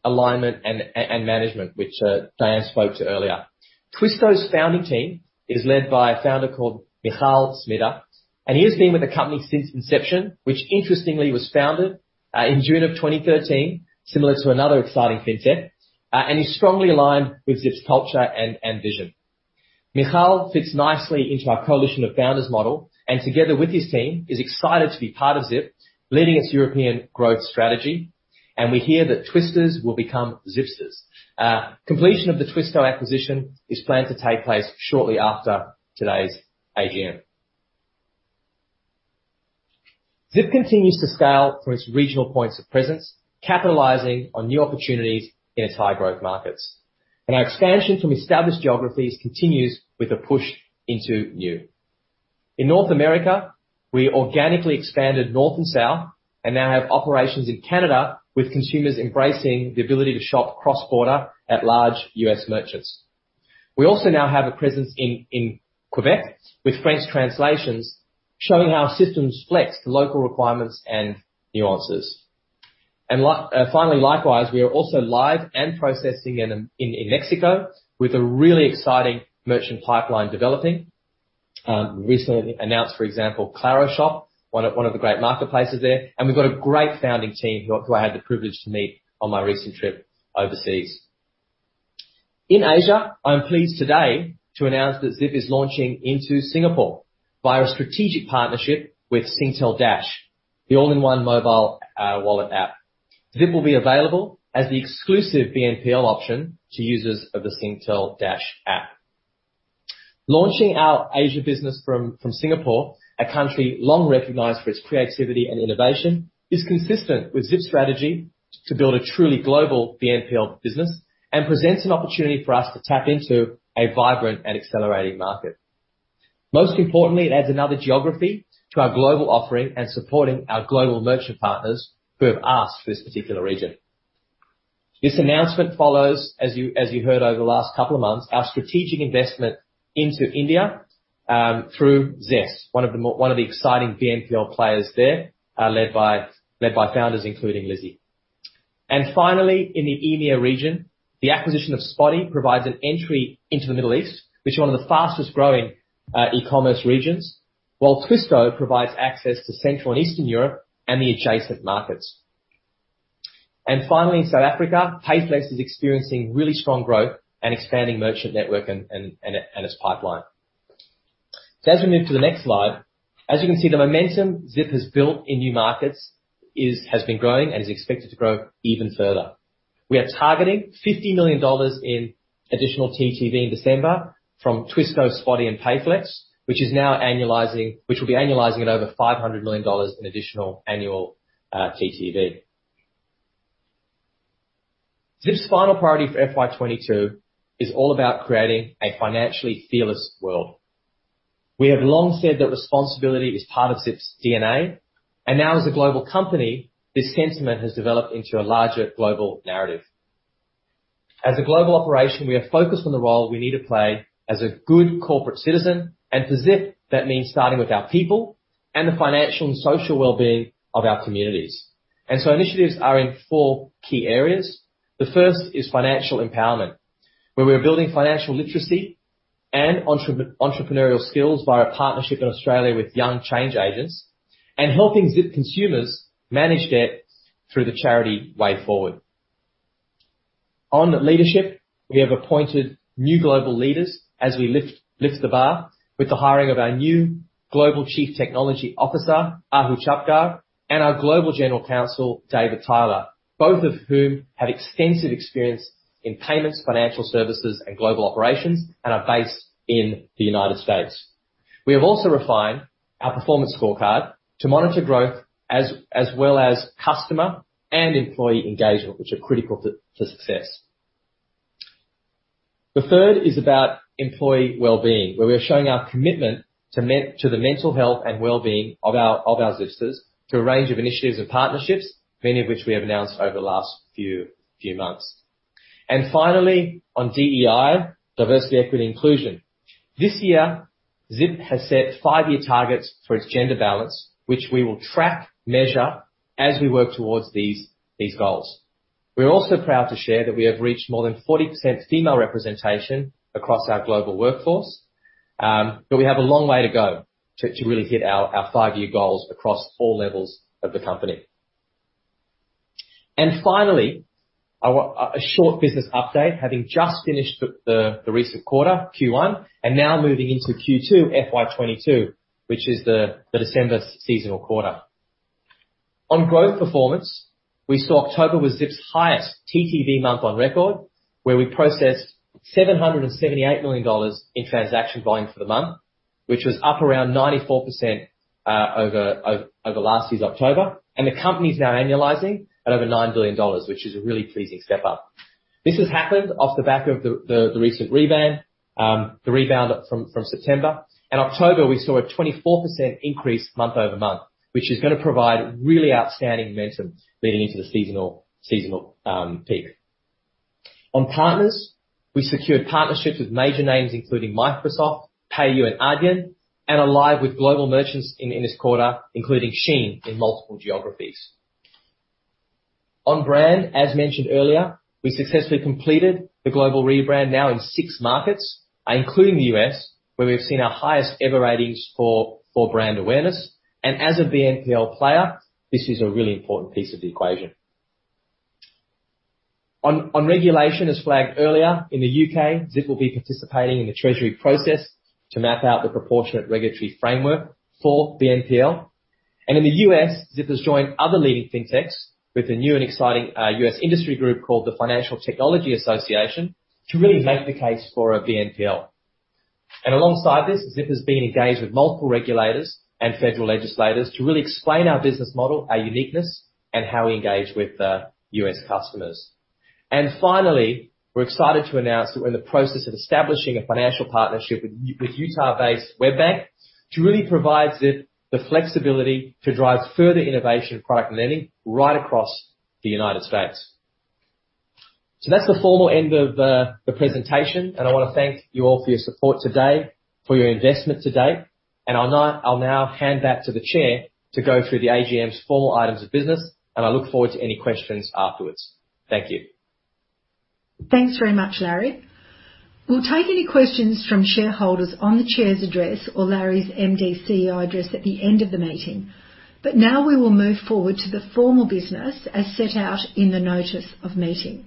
alignment and management, which Diane spoke to earlier. Twisto's founding team is led by a founder called Michal Smida, and he has been with the company since inception, which interestingly was founded in June 2013, similar to another exciting fintech, and is strongly aligned with Zip's culture and vision. Michal fits nicely into our coalition of founders model, and together with his team, is excited to be part of Zip, leading its European growth strategy. We hear that Twisto's will become Zipsters. Completion of the Twisto acquisition is planned to take place shortly after today's AGM. Zip continues to scale from its regional points of presence, capitalizing on new opportunities in its high-growth markets. Our expansion from established geographies continues with a push into new. In North America, we organically expanded north and south and now have operations in Canada, with consumers embracing the ability to shop cross-border at large U.S. merchants. We also now have a presence in Quebec with French translations, showing how systems flex to local requirements and nuances. Finally, likewise, we are also live and processing in Mexico with a really exciting merchant pipeline developing, recently announced, for example, Claro Shop, one of the great marketplaces there. We've got a great founding team who I had the privilege to meet on my recent trip overseas. In Asia, I'm pleased today to announce that Zip is launching into Singapore via a strategic partnership with Singtel Dash, the all-in-one mobile wallet app. Zip will be available as the exclusive BNPL option to users of the Singtel Dash app. Launching our Asia business from Singapore, a country long recognized for its creativity and innovation, is consistent with Zip's strategy to build a truly global BNPL business and presents an opportunity for us to tap into a vibrant and accelerating market. Most importantly, it adds another geography to our global offering and supporting our global merchant partners who have asked for this particular region. This announcement follows, as you heard over the last couple of months, our strategic investment into India, through ZestMoney, one of the exciting BNPL players there, led by founders, including Lizzie. In the EMEA region, the acquisition of Spotii provides an entry into the Middle East, which is one of the fastest-growing e-commerce regions, while Twisto provides access to Central and Eastern Europe and the adjacent markets. In South Africa, Payflex is experiencing really strong growth and expanding merchant network and its pipeline. As we move to the next slide, as you can see, the momentum Zip has built in new markets has been growing and is expected to grow even further. We are targeting 50 million dollars in additional TTV in December from Twisto, Spotii, and Payflex, which will be annualizing at over 500 million dollars in additional annual TTV. Zip's final priority for FY 2022 is all about creating a financially fearless world. We have long said that responsibility is part of Zip's DNA, and now as a global company, this sentiment has developed into a larger global narrative. As a global operation, we are focused on the role we need to play as a good corporate citizen, and for Zip, that means starting with our people and the financial and social wellbeing of our communities. Initiatives are in four key areas. The first is financial empowerment, where we are building financial literacy and entrepreneurial skills via a partnership in Australia with Young Change Agents and helping Zip consumers manage debt through the charity Way Forward. On leadership, we have appointed new global leaders as we lift the bar with the hiring of our new Global Chief Technology Officer, Ahu Chhapgar, and our Global General Counsel, David Tyler, both of whom have extensive experience in payments, financial services, and global operations and are based in the United States. We have also refined our performance scorecard to monitor growth as well as customer and employee engagement, which are critical to success. The third is about employee well-being, where we are showing our commitment to the mental health and well-being of our Zipsters through a range of initiatives and partnerships, many of which we have announced over the last few months. Finally, on DEI, diversity, equity, and inclusion. This year, Zip has set five-year targets for its gender balance, which we will track, measure, as we work towards these goals. We're also proud to share that we have reached more than 40% female representation across our global workforce, but we have a long way to go to really hit our five-year goals across all levels of the company. Finally, a short business update, having just finished the recent quarter, Q1, and now moving into Q2 FY 2022, which is the December seasonal quarter. On growth performance, we saw October was Zip's highest TTV month on record, where we processed 778 million dollars in transaction volume for the month, which was up around 94% over last year's October. The company's now annualizing at over $9 billion, which is a really pleasing step up. This has happened off the back of the recent rebound from September. In October, we saw a 24% increase month-over-month, which is gonna provide really outstanding momentum leading into the seasonal peak. On partners, we secured partnerships with major names including Microsoft, PayU, and Adyen, and are live with global merchants in this quarter, including SHEIN in multiple geographies. On brand, as mentioned earlier, we successfully completed the global rebrand now in six markets, including the U.S., where we've seen our highest ever ratings for brand awareness. As a BNPL player, this is a really important piece of the equation. On regulation, as flagged earlier, in the U.K., Zip will be participating in the Treasury process to map out the proportionate regulatory framework for BNPL. In the U.S., Zip has joined other leading fintechs with the new and exciting U.S. industry group called the Financial Technology Association to really make the case for a BNPL. Alongside this, Zip has been engaged with multiple regulators and federal legislators to really explain our business model, our uniqueness, and how we engage with U.S. customers. Finally, we're excited to announce that we're in the process of establishing a financial partnership with Utah-based WebBank, which really provides it the flexibility to drive further innovation and product lending right across the United States. That's the formal end of the presentation, and I wanna thank you all for your support today, for your investment to date, and I'll now hand back to the chair to go through the AGM's formal items of business, and I look forward to any questions afterwards. Thank you.
Thanks very much, Larry. We'll take any questions from shareholders on the Chair's address or Larry's MD & CEO address at the end of the meeting. Now we will move forward to the formal business as set out in the notice of meeting.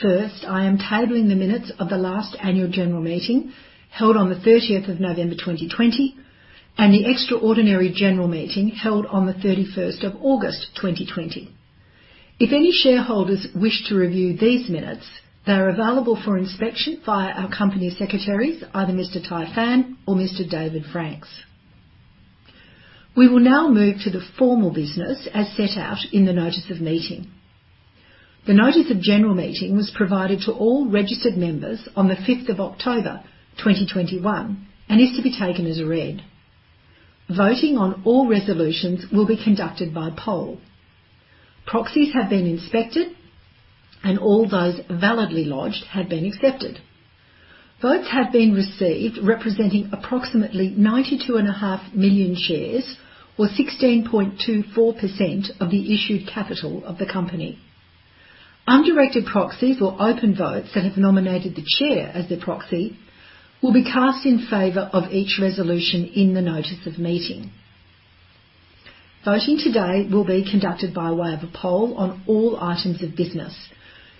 First, I am tabling the minutes of the last annual general meeting held on the 30th of November, 2020, and the extraordinary general meeting held on the 31st of August, 2020. If any shareholders wish to review these minutes, they are available for inspection via our company secretaries, either Mr. Tai Phan or Mr. David Franks. We will now move to the formal business as set out in the notice of meeting. The notice of general meeting was provided to all registered members on the 5th of October, 2021, and is to be taken as read. Voting on all resolutions will be conducted by poll. Proxies have been inspected, and all those validly lodged have been accepted. Votes have been received representing approximately 92.5 million shares or 16.24% of the issued capital of the company. Undirected proxies or open votes that have nominated the chair as their proxy will be cast in favor of each resolution in the notice of meeting. Voting today will be conducted by way of a poll on all items of business.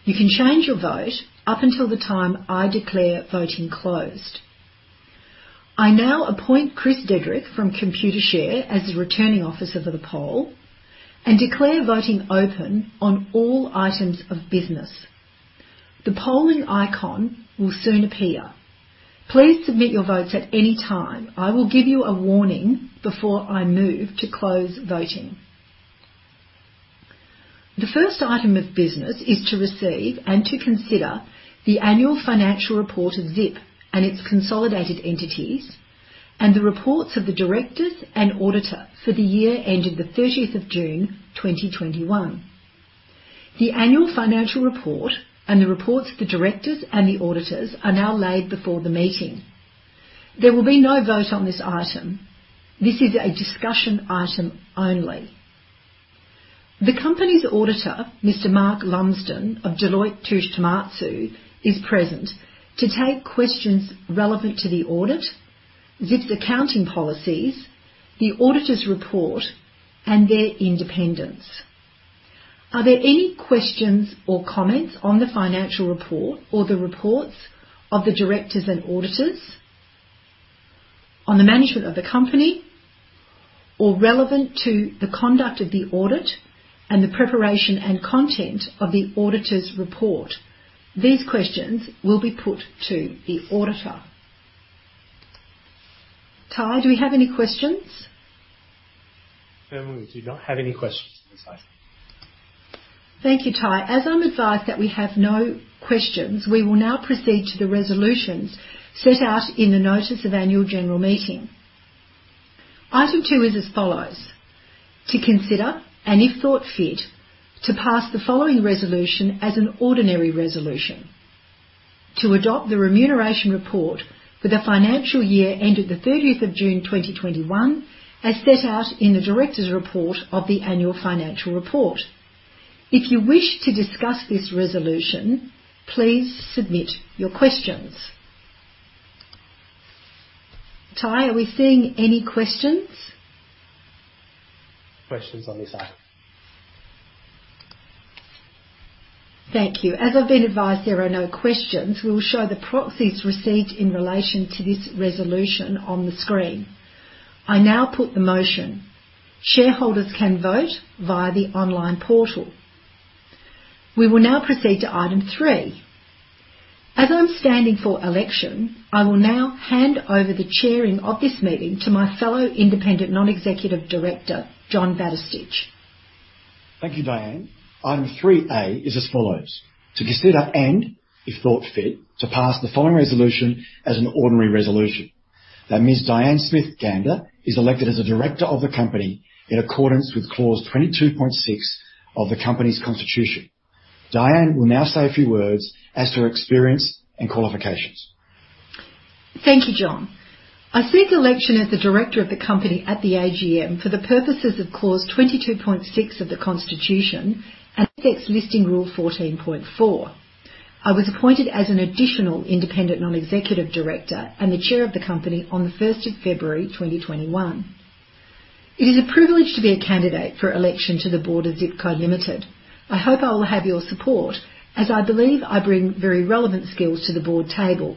You can change your vote up until the time I declare voting closed. I now appoint Chris Dedrick from Computershare as the Returning Officer for the poll and declare voting open on all items of business. The polling icon will soon appear. Please submit your votes at any time. I will give you a warning before I move to close voting. The first item of business is to receive and to consider the annual financial report of Zip and its consolidated entities and the reports of the directors and auditor for the year ended the 30th of June, 2021. The annual financial report and the reports of the directors and the auditors are now laid before the meeting. There will be no vote on this item. This is a discussion item only. The company's auditor, Mr. Mark Lumsden of Deloitte Touche Tohmatsu, is present to take questions relevant to the audit, Zip's accounting policies, the auditor's report, and their independence. Are there any questions or comments on the financial report or the reports of the directors and auditors on the management of the company or relevant to the conduct of the audit and the preparation and content of the auditor's report? These questions will be put to the auditor. Tai, do we have any questions?
Ma'am, we do not have any questions at this time.
Thank you, Tai. As I'm advised that we have no questions, we will now proceed to the resolutions set out in the notice of annual general meeting. Item two is as follows: To consider, and if thought fit, to pass the following resolution as an ordinary resolution: To adopt the remuneration report for the financial year ended 30th of June 2021, as set out in the directors' report of the annual financial report. If you wish to discuss this resolution, please submit your questions. Tai, are we seeing any questions?
Questions on this item.
Thank you. As I've been advised there are no questions, we will show the proxies received in relation to this resolution on the screen. I now put the motion. Shareholders can vote via the online portal. We will now proceed to item three. As I'm standing for election, I will now hand over the chairing of this meeting to my fellow independent non-executive director, John Batistich.
Thank you, Diane. Item 3A is as follows: To consider and, if thought fit, to pass the following resolution as an ordinary resolution: That Ms. Diane Smith-Gander is elected as a Director of the company in accordance with Clause 22.6 of the company's constitution. Diane will now say a few words as to her experience and qualifications.
Thank you, John. I seek election as a Director of the company at the AGM for the purposes of Clause 22.6 of the Constitution and ASX Listing Rule 14.4. I was appointed as an additional Independent Non-Executive Director and the Chair of the company on the 1st of February 2021. It is a privilege to be a candidate for election to the board of Zip Co Limited. I hope I will have your support as I believe I bring very relevant skills to the board table.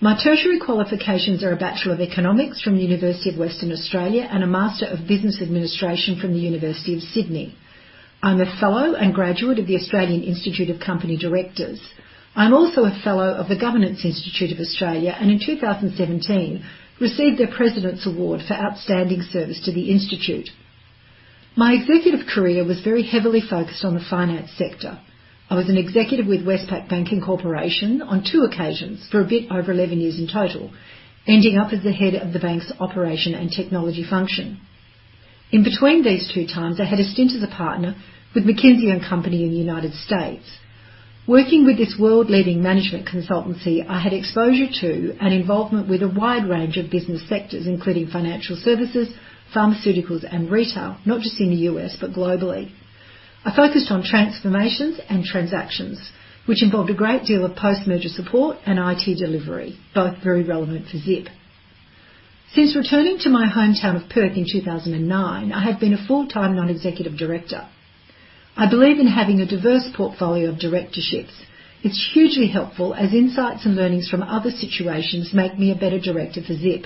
My tertiary qualifications are a Bachelor of Economics from the University of Western Australia and a Master of Business Administration from the University of Sydney. I'm a fellow and graduate of the Australian Institute of Company Directors. I'm also a fellow of the Governance Institute of Australia, and in 2017, received their President's Award for outstanding service to the institute. My executive career was very heavily focused on the finance sector. I was an executive with Westpac Banking Corporation on two occasions for a bit over 11 years in total, ending up as the head of the bank's operation and technology function. In between these two times, I had a stint as a partner with McKinsey & Company in the United States. Working with this world-leading management consultancy, I had exposure to and involvement with a wide range of business sectors, including financial services, pharmaceuticals, and retail, not just in the U.S., but globally. I focused on transformations and transactions, which involved a great deal of post-merger support and IT delivery, both very relevant for Zip. Since returning to my hometown of Perth in 2009, I have been a full-time non-executive director. I believe in having a diverse portfolio of directorships. It's hugely helpful as insights and learnings from other situations make me a better director for Zip.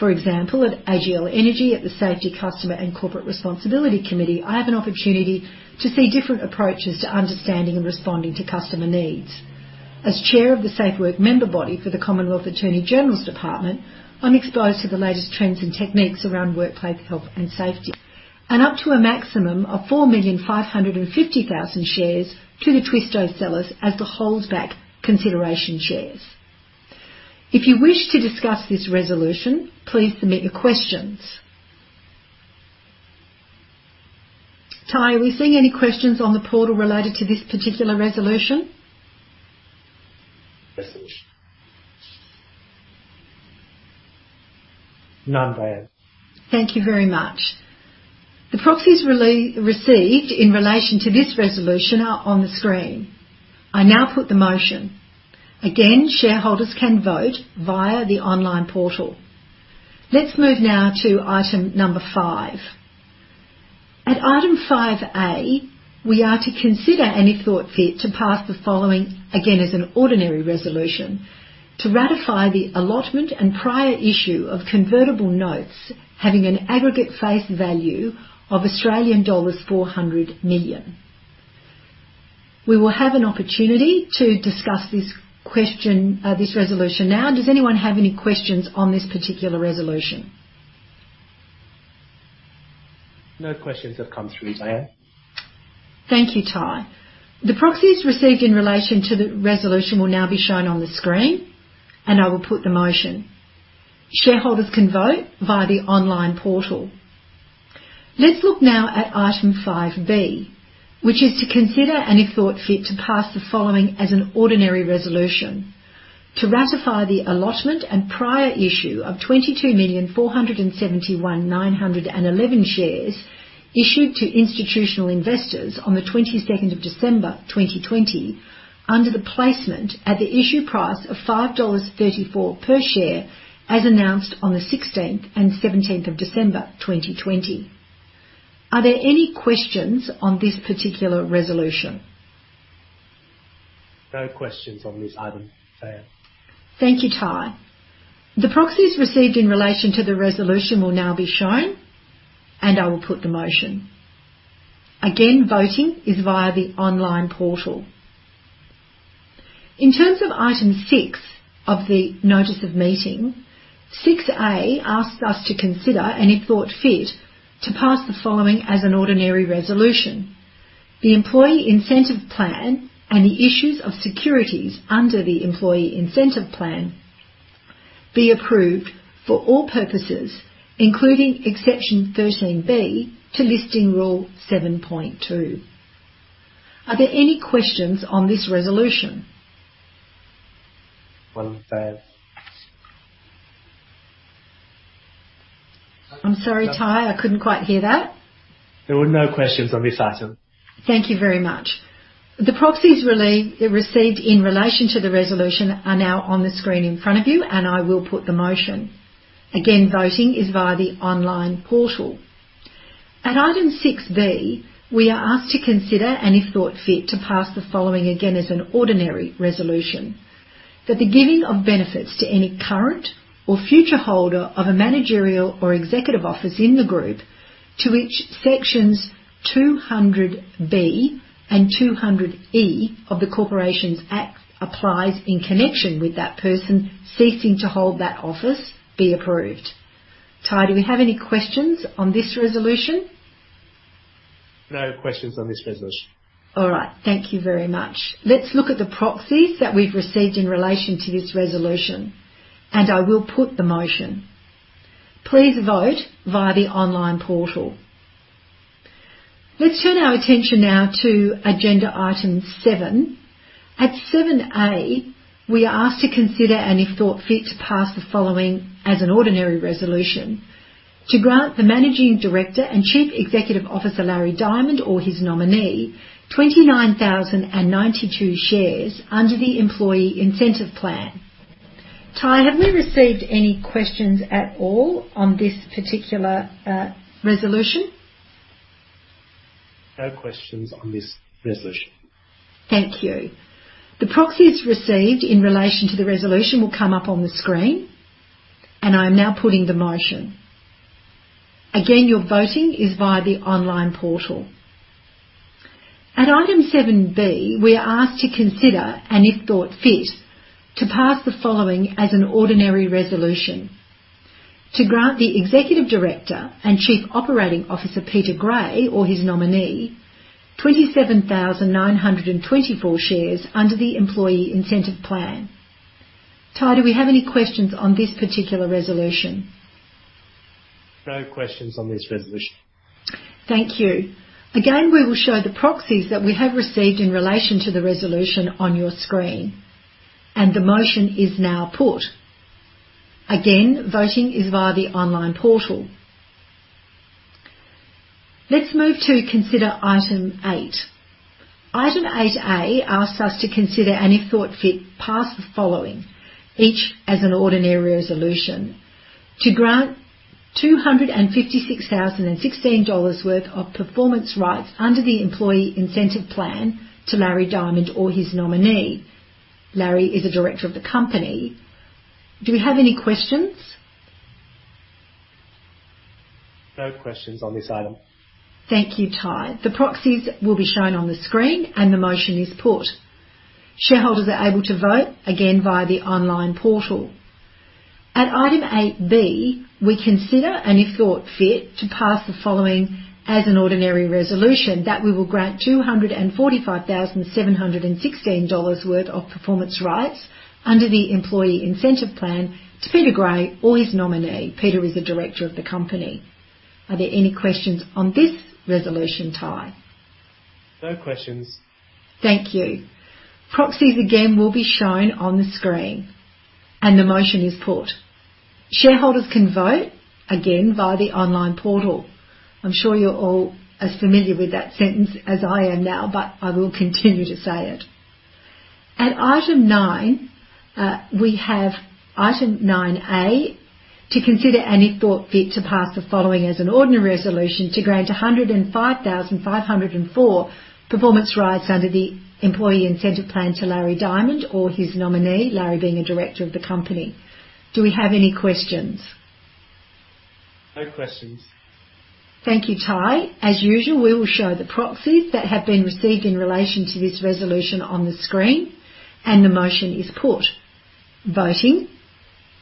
For example, at AGL Energy, at the Safety, Customer, and Corporate Responsibility Committee, I have an opportunity to see different approaches to understanding and responding to customer needs. As chair of the Safe Work member body for the Commonwealth Attorney-General's Department, I'm exposed to the latest trends and techniques around workplace health and safety. Up to a maximum of 4,550,000 shares to the Twisto sellers as the holdsback consideration shares. If you wish to discuss this resolution, please submit your questions. Tai, are we seeing any questions on the portal related to this particular resolution?
Resolution. None, Diane.
Thank you very much. The proxies received in relation to this resolution are on the screen. I now put the motion. Again, shareholders can vote via the online portal. Let's move now to item number five. At item 5A, we are to consider, and if thought fit, to pass the following, again as an ordinary resolution, to ratify the allotment and prior issue of convertible notes having an aggregate face value of Australian dollars 400 million. We will have an opportunity to discuss this question, this resolution now. Does anyone have any questions on this particular resolution?
No questions have come through, Diane.
Thank you, Tai. The proxies received in relation to the resolution will now be shown on the screen, and I will put the motion. Shareholders can vote via the online portal. Let's look now at item 5B, which is to consider, and if thought fit, to pass the following as an ordinary resolution to ratify the allotment and prior issue of 22,471,911 shares issued to institutional investors on the 22nd of December, 2020 under the placement at the issue price of 5.34 dollars per share as announced on the 16th and 17th of December, 2020. Are there any questions on this particular resolution?
No questions on this item, Diane.
Thank you, Tai. The proxies received in relation to the resolution will now be shown, and I will put the motion. Again, voting is via the online portal. In terms of item six of the notice of meeting, 6A asks us to consider, and if thought fit, to pass the following as an ordinary resolution. The employee incentive plan and the issues of securities under the employee incentive plan be approved for all purposes, including exception 13B to Listing Rule 7.2. Are there any questions on this resolution?
None, Diane.
I'm sorry, Tai, I couldn't quite hear that.
There were no questions on this item.
Thank you very much. The proxies received in relation to the resolution are now on the screen in front of you, and I will put the motion. Again, voting is via the online portal. At Item 6B, we are asked to consider, and if thought fit, to pass the following again as an ordinary resolution. That the giving of benefits to any current or future holder of a managerial or executive office in the group to which sections 200B and 200E of the Corporations Act applies in connection with that person ceasing to hold that office be approved. Tai, do we have any questions on this resolution?
No questions on this resolution.
All right. Thank you very much. Let's look at the proxies that we've received in relation to this resolution, and I will put the motion. Please vote via the online portal. Let's turn our attention now to agenda item seven. At 7A, we are asked to consider, and if thought fit, to pass the following as an ordinary resolution. To grant the Managing Director and Chief Executive Officer, Larry Diamond, or his nominee 29,092 shares under the employee incentive plan. Tai, have we received any questions at all on this particular resolution?
No questions on this resolution.
Thank you. The proxies received in relation to the resolution will come up on the screen, and I am now putting the motion. Again, your voting is via the online portal. At item 7B, we are asked to consider, and if thought fit, to pass the following as an ordinary resolution. To grant the Executive Director and Chief Operating Officer, Peter Gray, or his nominee 27,924 shares under the employee incentive plan. Tai, do we have any questions on this particular resolution?
No questions on this resolution.
Thank you. Again, we will show the proxies that we have received in relation to the resolution on your screen, and the motion is now put. Again, voting is via the online portal. Let's move to consider item eight. Item 8A asks us to consider, and if thought fit, pass the following, each as an ordinary resolution, to grant 256,016 dollars worth of performance rights under the employee incentive plan to Larry Diamond or his nominee. Larry is a Director of the company. Do we have any questions?
No questions on this item.
Thank you, Tai. The proxies will be shown on the screen and the motion is put. Shareholders are able to vote again via the online portal. At item 8B, we consider, and if thought fit, to pass the following as an ordinary resolution that we will grant 245,716 dollars worth of performance rights under the Employee Incentive Plan to Peter Gray or his nominee. Peter is a Director of the company. Are there any questions on this resolution, Tai?
No questions.
Thank you. Proxies again will be shown on the screen and the motion is put. Shareholders can vote again via the online portal. I'm sure you're all as familiar with that sentence as I am now, but I will continue to say it. At item nine, we have item nine A to consider, and if thought fit, to pass the following as an ordinary resolution to grant 105,504 performance rights under the Employee Incentive Plan to Larry Diamond or his nominee, Larry being a Director of the company. Do we have any questions?
No questions.
Thank you, Tai. As usual, we will show the proxies that have been received in relation to this resolution on the screen, and the motion is put. Voting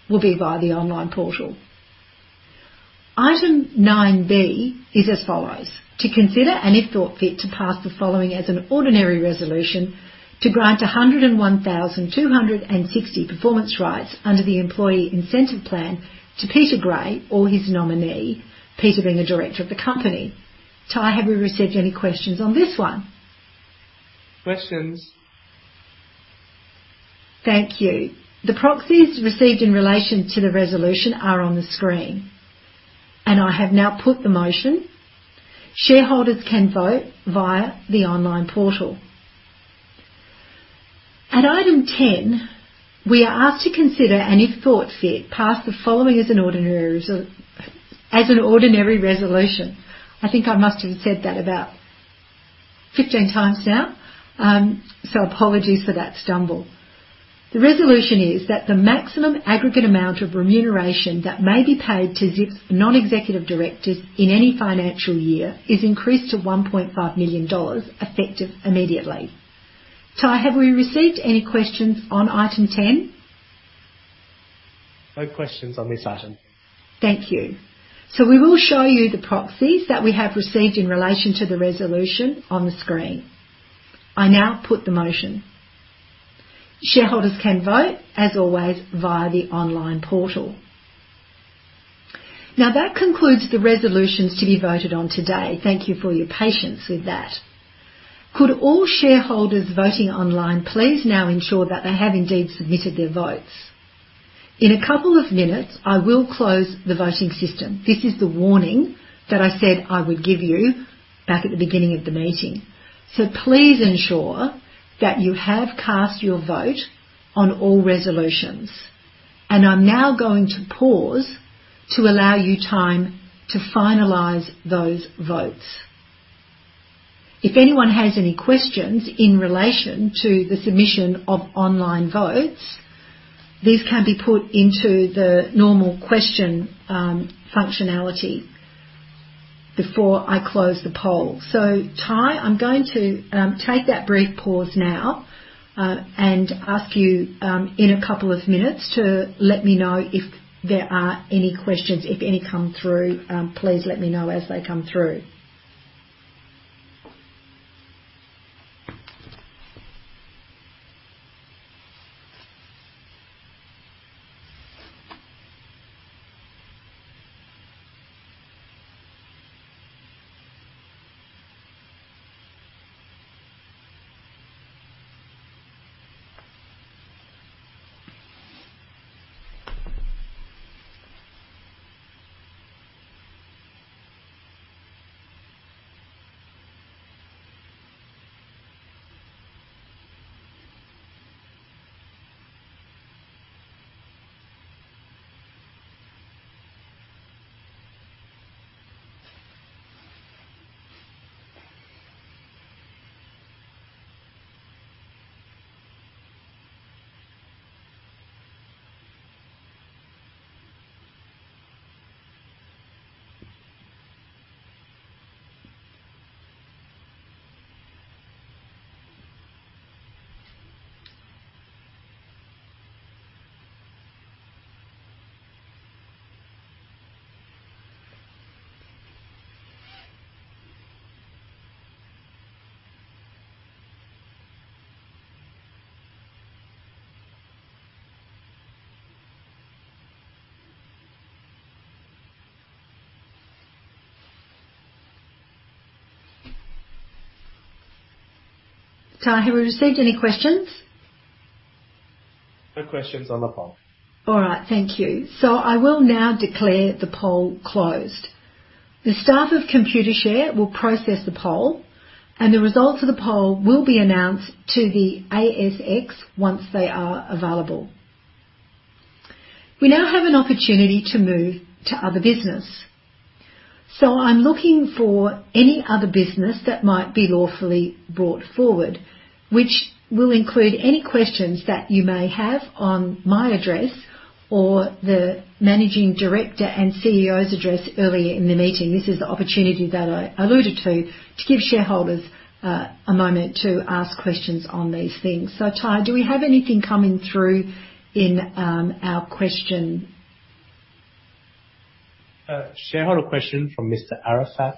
will be via the online portal. Item 9B is as follows: To consider, and if thought fit, to pass the following as an ordinary resolution to grant 101,260 performance rights under the Employee Incentive Plan to Peter Gray or his nominee, Peter being a Director of the company. Tai, have we received any questions on this one?
Questions.
Thank you. The proxies received in relation to the resolution are on the screen, and I have now put the motion. Shareholders can vote via the online portal. At item 10, we are asked to consider, and if thought fit, pass the following as an ordinary resolution. I think I must have said that about 15x now. Apologies for that stumble. The resolution is that the maximum aggregate amount of remuneration that may be paid to Zip's non-executive directors in any financial year is increased to 1.5 million dollars effective immediately. Tai, have we received any questions on item 10?
No questions on this item.
Thank you. We will show you the proxies that we have received in relation to the resolution on the screen. I now put the motion. Shareholders can vote as always via the online portal. That concludes the resolutions to be voted on today. Thank you for your patience with that. Could all shareholders voting online please now ensure that they have indeed submitted their votes. In a couple of minutes, I will close the voting system. This is the warning that I said I would give you back at the beginning of the meeting. Please ensure that you have cast your vote on all resolutions. I'm now going to pause to allow you time to finalize those votes. If anyone has any questions in relation to the submission of online votes, these can be put into the normal question functionality before I close the poll. Tai, I'm going to take that brief pause now and ask you in a couple of minutes to let me know if there are any questions. If any come through, please let me know as they come through. Tai, have we received any questions?
No questions on the poll.
All right. Thank you. I will now declare the poll closed. The staff of Computershare will process the poll, and the results of the poll will be announced to the ASX once they are available. We now have an opportunity to move to other business. I'm looking for any other business that might be lawfully brought forward, which will include any questions that you may have on my address or the managing director and CEO's address earlier in the meeting. This is the opportunity that I alluded to give shareholders a moment to ask questions on these things. Tai, do we have anything coming through in our question?
Shareholder question from Mr. Arafat.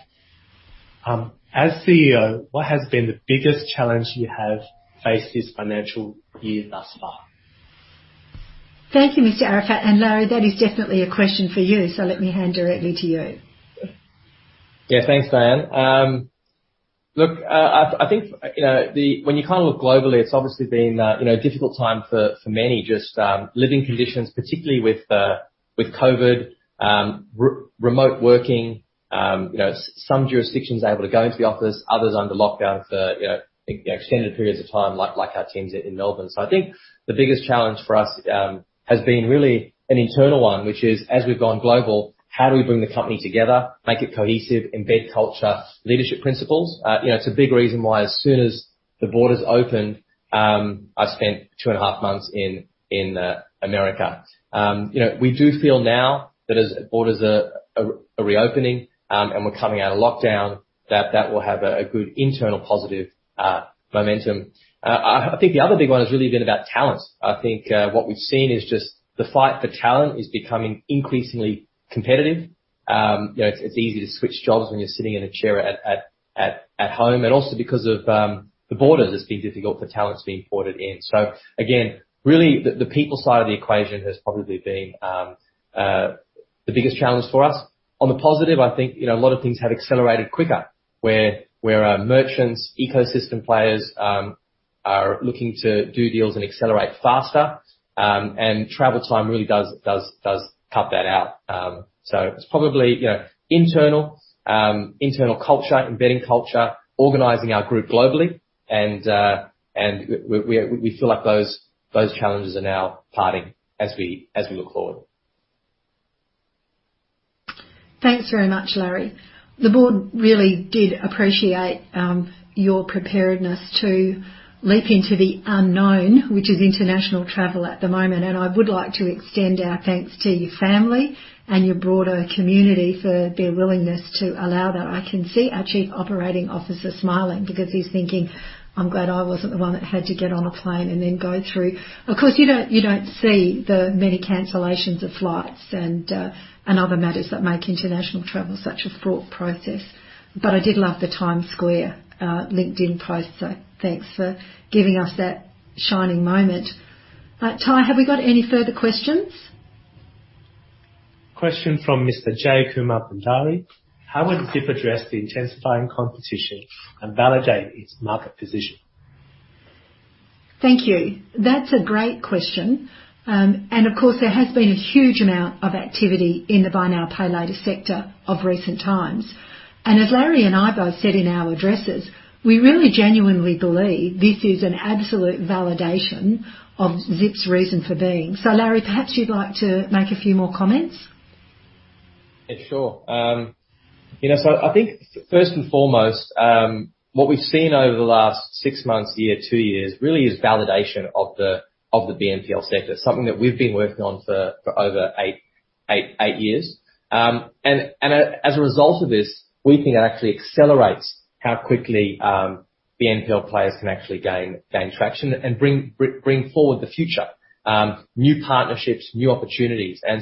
As CEO, what has been the biggest challenge you have faced this financial year thus far?
Thank you, Mr. Arafat. Larry, that is definitely a question for you, so let me hand directly to you.
Yeah. Thanks, Diane. Look, I think, you know, when you kind of look globally, it's obviously been a, you know, difficult time for many just living conditions, particularly with COVID, remote working. You know, some jurisdictions are able to go into the office, others under lockdown for, you know, extended periods of time, like our teams in Melbourne. I think the biggest challenge for us has been really an internal one, which is, as we've gone global, how do we bring the company together, make it cohesive, embed culture, leadership principles? You know, it's a big reason why as soon as the borders opened, I spent two and a half months in America. You know, we do feel now that as borders are reopening and we're coming out of lockdown, that will have a good internal positive momentum. I think the other big one has really been about talent. I think what we've seen is just the fight for talent is becoming increasingly competitive. You know, it's easy to switch jobs when you're sitting in a chair at home. And also because of the borders, it's been difficult for talents being ported in. Again, really, the people side of the equation has probably been the biggest challenge for us. On the positive, I think, you know, a lot of things have accelerated quicker, where our merchants, ecosystem players, are looking to do deals and accelerate faster, and travel time really does cut that out. It's probably, you know, internal culture, embedding culture, organizing our group globally. We feel like those challenges are now parting as we look forward.
Thanks very much, Larry. The board really did appreciate your preparedness to leap into the unknown, which is international travel at the moment. I would like to extend our thanks to your family and your broader community for their willingness to allow that. I can see our Chief Operating Officer smiling because he's thinking, "I'm glad I wasn't the one that had to get on a plane and then go through." Of course, you don't see the many cancellations of flights and other matters that make international travel such a fraught process. I did love the Times Square LinkedIn post. Thanks for giving us that shining moment. Tai, have we got any further questions?
Question from Mr. Jay Kumar Bhandari. How would Zip address the intensifying competition and validate its market position?
Thank you. That's a great question. Of course, there has been a huge amount of activity in the buy now, pay later sector in recent times. As Larry and I both said in our addresses, we really genuinely believe this is an absolute validation of Zip's reason for being. Larry, perhaps you'd like to make a few more comments.
Yeah, sure. You know, so I think first and foremost, what we've seen over the last six months, year, two years, really is validation of the BNPL sector, something that we've been working on for over eight years. As a result of this, we think it actually accelerates how quickly BNPL players can actually gain traction and bring forward the future, new partnerships, new opportunities. I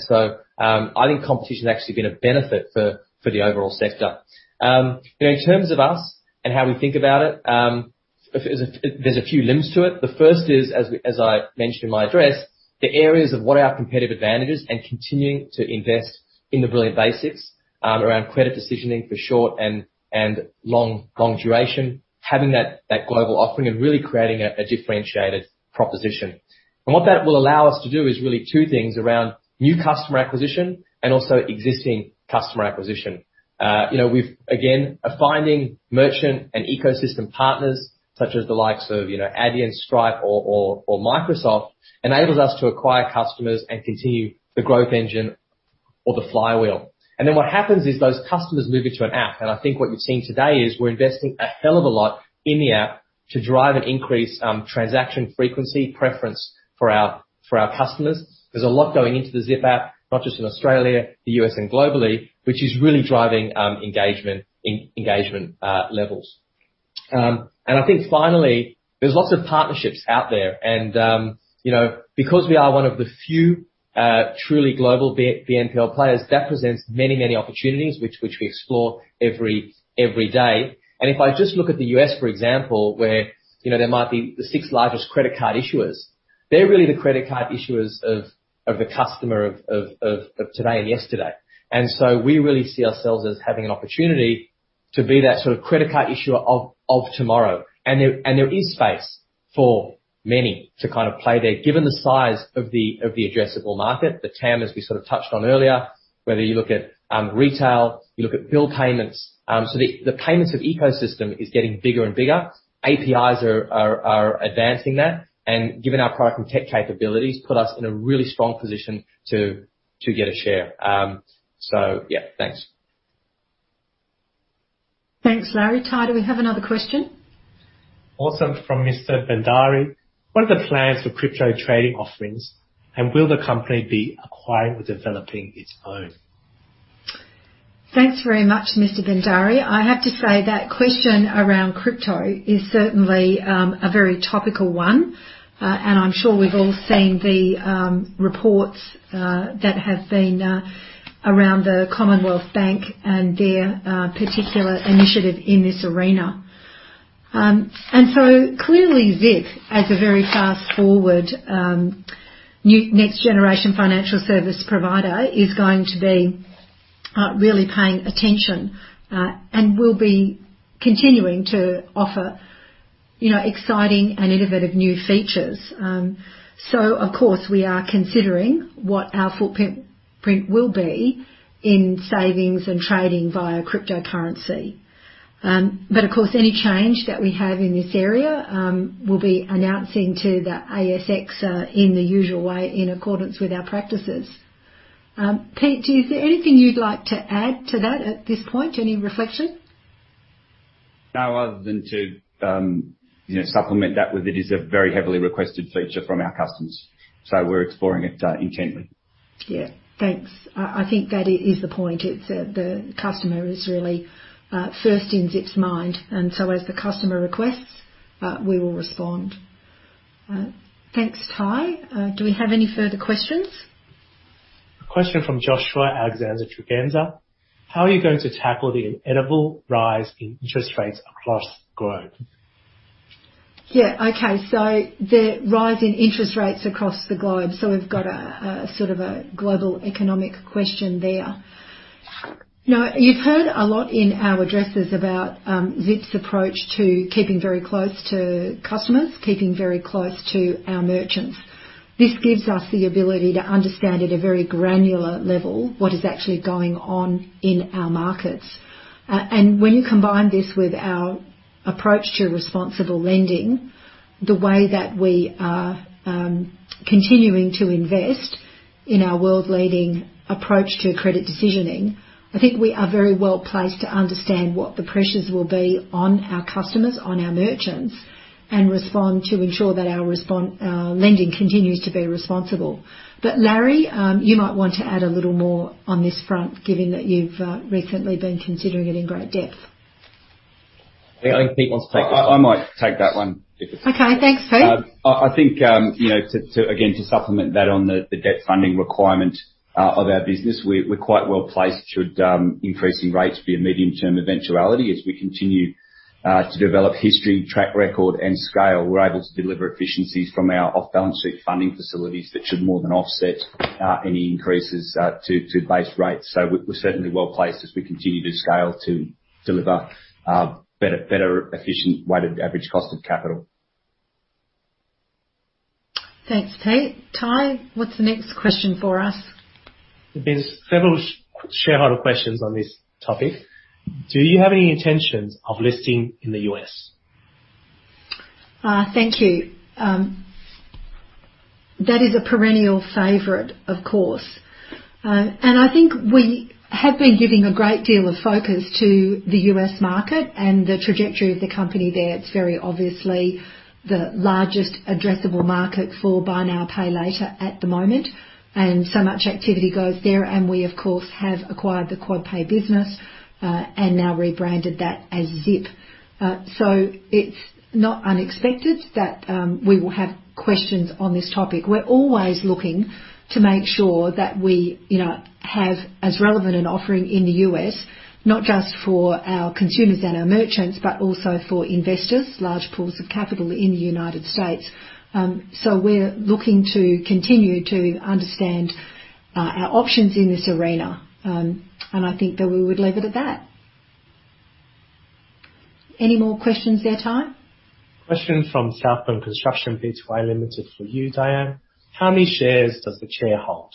think competition has actually been a benefit for the overall sector. You know, in terms of us and how we think about it, there's a few limbs to it. The first is, as I mentioned in my address, the areas of what are our competitive advantages and continuing to invest in the brilliant basics around credit decisioning for short and long duration, having that global offering and really creating a differentiated proposition. What that will allow us to do is really two things around new customer acquisition and also existing customer acquisition. You know, we are finding merchant and ecosystem partners such as the likes of, you know, Adyen, Stripe or Microsoft, enables us to acquire customers and continue the growth engine or the flywheel. Then what happens is those customers move into an app. I think what you're seeing today is we're investing a hell of a lot in the app to drive and increase transaction frequency preference for our customers. There's a lot going into the Zip app, not just in Australia, the U.S. and globally, which is really driving engagement levels. I think finally, there's lots of partnerships out there. You know, because we are one of the few truly global BNPL players, that presents many opportunities which we explore every day. If I just look at the U.S., for example, where you know, there might be the six largest credit card issuers. They're really the credit card issuers of today and yesterday. We really see ourselves as having an opportunity to be that sort of credit card issuer of tomorrow. There is space for many to kind of play there, given the size of the addressable market, the TAM, as we sort of touched on earlier, whether you look at retail, you look at bill payments. The payments ecosystem is getting bigger and bigger. APIs are advancing that, and given our product and tech capabilities, put us in a really strong position to get a share. Yeah, thanks.
Thanks, Larry. Tai, do we have another question?
Also from Mr. Bhandari, "What are the plans for crypto trading offerings, and will the company be acquiring or developing its own?
Thanks very much, Mr. Bhandari. I have to say that question around crypto is certainly a very topical one. I'm sure we've all seen the reports that have been around the Commonwealth Bank and their particular initiative in this arena. Clearly Zip, as a very fast-forward next generation financial service provider, is going to be really paying attention and will be continuing to offer, you know, exciting and innovative new features. Of course, we are considering what our footprint will be in savings and trading via cryptocurrency. Of course, any change that we have in this area, we'll be announcing to the ASX in the usual way, in accordance with our practices. Pete, is there anything you'd like to add to that at this point? Any reflection?
No, other than to you know, supplement that with it is a very heavily requested feature from our customers. We're exploring it intently.
Yeah. Thanks. I think that is the point. It's the customer is really first in Zip's mind. As the customer requests, we will respond. Thanks, Tai. Do we have any further questions?
A question from Joshua Alexander Tregenza, "How are you going to tackle the inevitable rise in interest rates across the globe?
The rise in interest rates across the globe. We've got a sort of a global economic question there. Now, you've heard a lot in our addresses about Zip's approach to keeping very close to customers, keeping very close to our merchants. This gives us the ability to understand at a very granular level what is actually going on in our markets. When you combine this with our approach to responsible lending, the way that we are continuing to invest in our world-leading approach to credit decisioning, I think we are very well placed to understand what the pressures will be on our customers, on our merchants, and respond to ensure that our lending continues to be responsible. Larry, you might want to add a little more on this front, given that you've recently been considering it in great depth.
Yeah, I think Pete wants to take this one.
I might take that one, if it's okay.
Okay. Thanks, Pete.
I think you know, again, to supplement that on the debt funding requirement of our business, we're quite well placed should increasing rates be a medium-term eventuality. As we continue to develop history, track record, and scale, we're able to deliver efficiencies from our off-balance sheet funding facilities that should more than offset any increases to base rate. We're certainly well placed as we continue to scale to deliver a better efficient weighted average cost of capital.
Thanks, Pete. Tai, what's the next question for us?
There's several shareholder questions on this topic. "Do you have any intentions of listing in the U.S.?
Thank you. That is a perennial favorite, of course. I think we have been giving a great deal of focus to the U.S. market and the trajectory of the company there. It's very obviously the largest addressable market for buy now, pay later at the moment, and so much activity goes there. We, of course, have acquired the QuadPay business, and now rebranded that as Zip. It's not unexpected that we will have questions on this topic. We're always looking to make sure that we, you know, have as relevant an offering in the U.S., not just for our consumers and our merchants, but also for investors, large pools of capital in the United States. We're looking to continue to understand our options in this arena. I think that we would leave it at that. Any more questions there, Tai?
Question from Southburn Construction Pty Limited for you, Diane. "How many shares does the chair hold?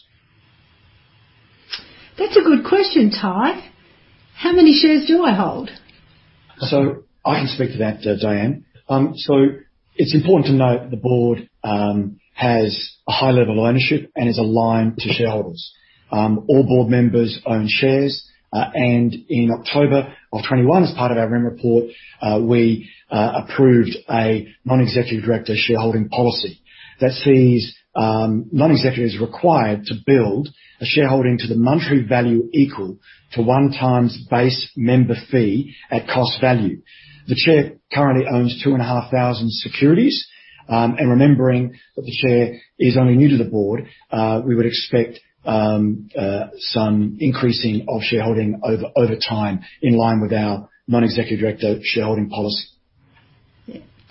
That's a good question, Tai. How many shares do I hold?
I can speak to that, Diane. It's important to note the board has a high level of ownership and is aligned to shareholders. All board members own shares. In October of 2021, as part of our remuneration report, we approved a non-executive director shareholding policy that sees non-executives required to build a shareholding to the monetary value equal to 1 times base member fee at cost value. The chair currently owns 2,500 securities. Remembering that the chair is only new to the board, we would expect some increasing of shareholding over time in line with our non-executive director shareholding policy.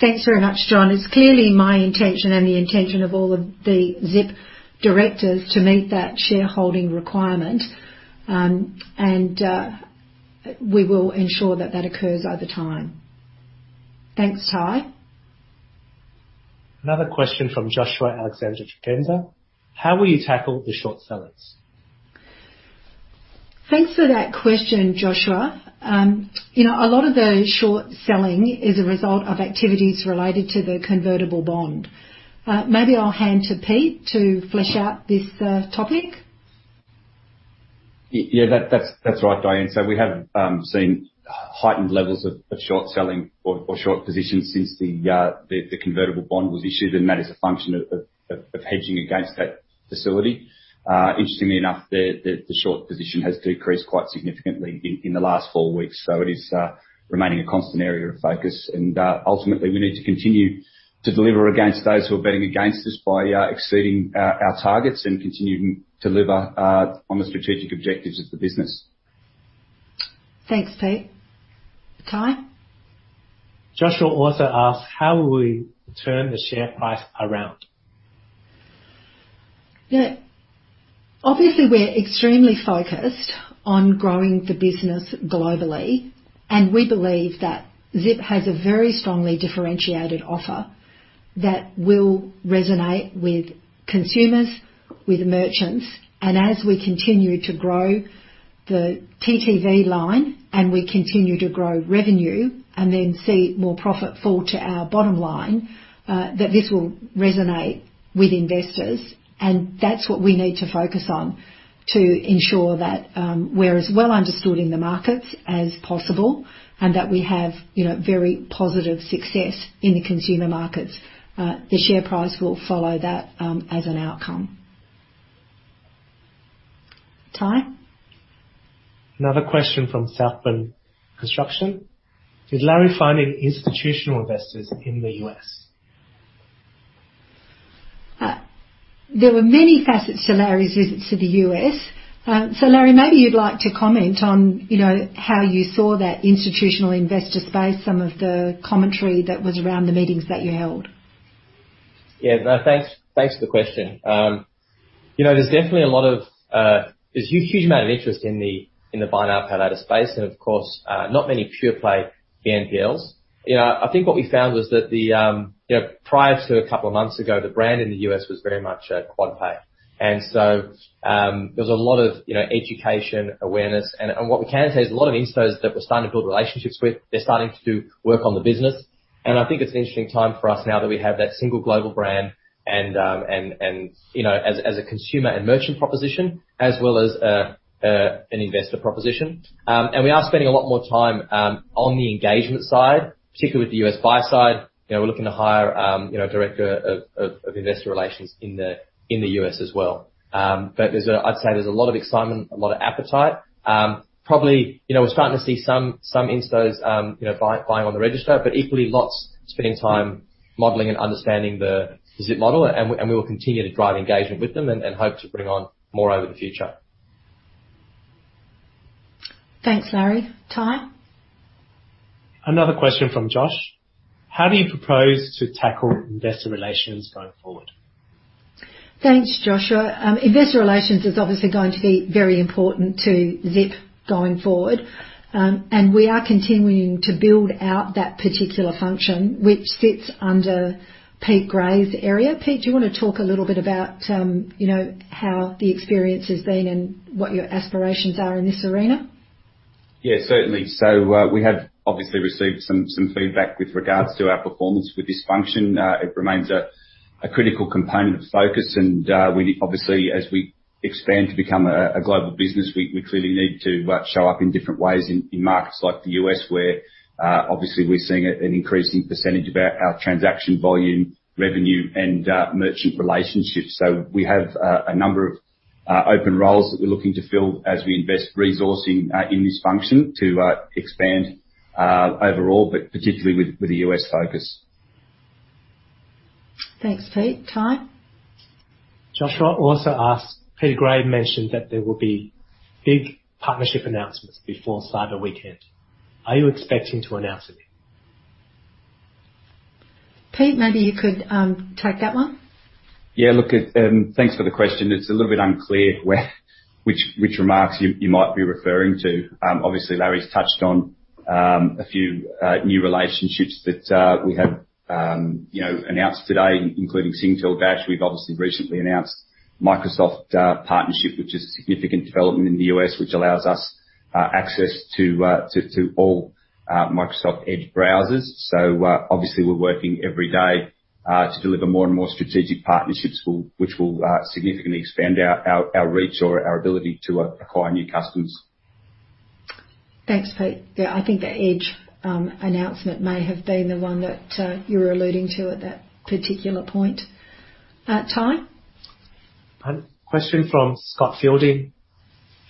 Thanks very much, John. It's clearly my intention and the intention of all of the Zip directors to meet that shareholding requirement. We will ensure that that occurs over time. Thanks, Tai.
Another question from Joshua Alexander Tregenza, "How will you tackle the short sellers?
Thanks for that question, Joshua. You know, a lot of the short selling is a result of activities related to the convertible bond. Maybe I'll hand to Pete to flesh out this topic.
Yeah, that's right, Diane. We have seen heightened levels of short selling or short positions since the convertible bond was issued, and that is a function of hedging against that facility. Interestingly enough, the short position has decreased quite significantly in the last four weeks, so it is remaining a constant area of focus. Ultimately, we need to continue to deliver against those who are betting against us by exceeding our targets and continuing to deliver on the strategic objectives of the business.
Thanks, Pete. Tai?
Joshua also asks: How will we turn the share price around?
Yeah. Obviously, we're extremely focused on growing the business globally, and we believe that Zip has a very strongly differentiated offer that will resonate with consumers, with merchants. As we continue to grow the TTV line, and we continue to grow revenue and then see more profit fall to our bottom line, that this will resonate with investors. That's what we need to focus on to ensure that, we're as well understood in the markets as possible and that we have, you know, very positive success in the consumer markets. The share price will follow that, as an outcome. Tai?
Another question from Southburn Construction. Is Larry finding institutional investors in the U.S.?
There were many facets to Larry's visit to the U.S. Larry, maybe you'd like to comment on, you know, how you saw that institutional investor space, some of the commentary that was around the meetings that you held.
Yeah, no, thanks for the question. You know, there's definitely a huge amount of interest in the buy now, pay later space and of course, not many pure play BNPLs. You know, I think what we found was that the, you know, prior to a couple of months ago, the brand in the U.S. was very much, QuadPay. And so, there was a lot of, you know, education, awareness. And what we can say is a lot of instos that we're starting to build relationships with, they're starting to do work on the business. And I think it's an interesting time for us now that we have that single global brand and, you know, as a consumer and merchant proposition, as well as an investor proposition. We are spending a lot more time on the engagement side, particularly with the U.S. buy side. You know, we're looking to hire, you know, director of investor relations in the U.S. as well. But I'd say there's a lot of excitement, a lot of appetite. Probably, you know, we're starting to see some instos, you know, buying on the register, but equally lots spending time modeling and understanding the Zip model. We will continue to drive engagement with them and hope to bring on more over the future.
Thanks, Larry. Tai?
Another question from Josh: How do you propose to tackle investor relations going forward?
Thanks, Joshua. Investor relations is obviously going to be very important to Zip going forward. We are continuing to build out that particular function which sits under Pete Gray's area. Pete, do you wanna talk a little bit about, you know, how the experience has been and what your aspirations are in this arena?
Yeah, certainly. We have obviously received some feedback with regards to our performance with this function. It remains a critical component of focus and we obviously, as we expand to become a global business, we clearly need to show up in different ways in markets like the U.S., where obviously we're seeing an increasing percentage of our transaction volume, revenue and merchant relationships. We have a number of open roles that we're looking to fill as we invest resourcing in this function to expand overall, but particularly with the U.S. focus.
Thanks, Pete. Tai?
Joshua also asks, "Peter Gray mentioned that there will be big partnership announcements before Cyber Weekend. Are you expecting to announce any?
Pete, maybe you could take that one.
Yeah. Look, thanks for the question. It's a little bit unclear which remarks you might be referring to. Obviously Larry's touched on a few new relationships that we have, you know, announced today, including Sezzle, Dash. We've obviously recently announced Microsoft partnership, which is a significant development in the U.S., which allows us access to all Microsoft Edge browsers. Obviously we're working every day to deliver more and more strategic partnerships which will significantly expand our reach or our ability to acquire new customers.
Thanks, Pete. Yeah, I think the Edge announcement may have been the one that you're alluding to at that particular point. Tai?
A question from Scott Fielding: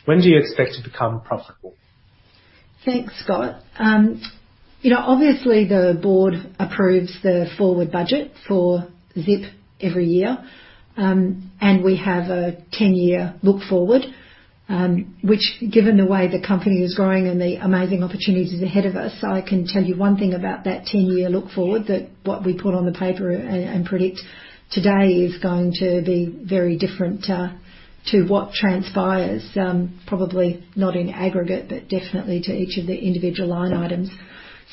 When do you expect to become profitable?
Thanks, Scott. You know, obviously the board approves the forward budget for Zip every year. We have a 10-year look-forward, which given the way the company is growing and the amazing opportunities ahead of us, I can tell you one thing about that 10-year look-forward, that what we put on the paper and predict today is going to be very different to what transpires, probably not in aggregate, but definitely to each of the individual line items.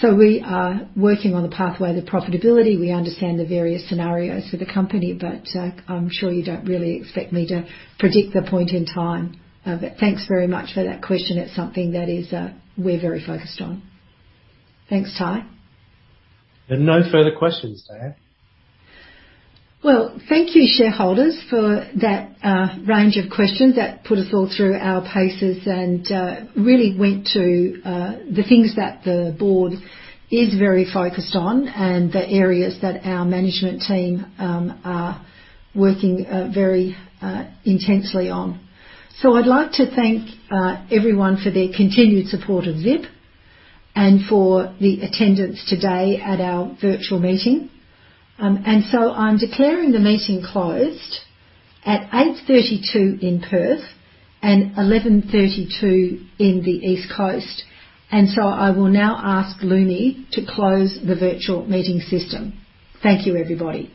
We are working on the pathway to profitability. We understand the various scenarios for the company, but I'm sure you don't really expect me to predict the point in time of it. Thanks very much for that question. It's something that we're very focused on. Thanks, Tai.
There are no further questions, Diane.
Well, thank you, shareholders, for that range of questions. That put us all through our paces and really went to the things that the board is very focused on and the areas that our management team are working very intensely on. I'd like to thank everyone for their continued support of Zip and for the attendance today at our virtual meeting. I'm declaring the meeting closed at 8:32 A.M. in Perth and 11:32 A.M. in the East Coast. I will now ask Lumi to close the virtual meeting system. Thank you, everybody.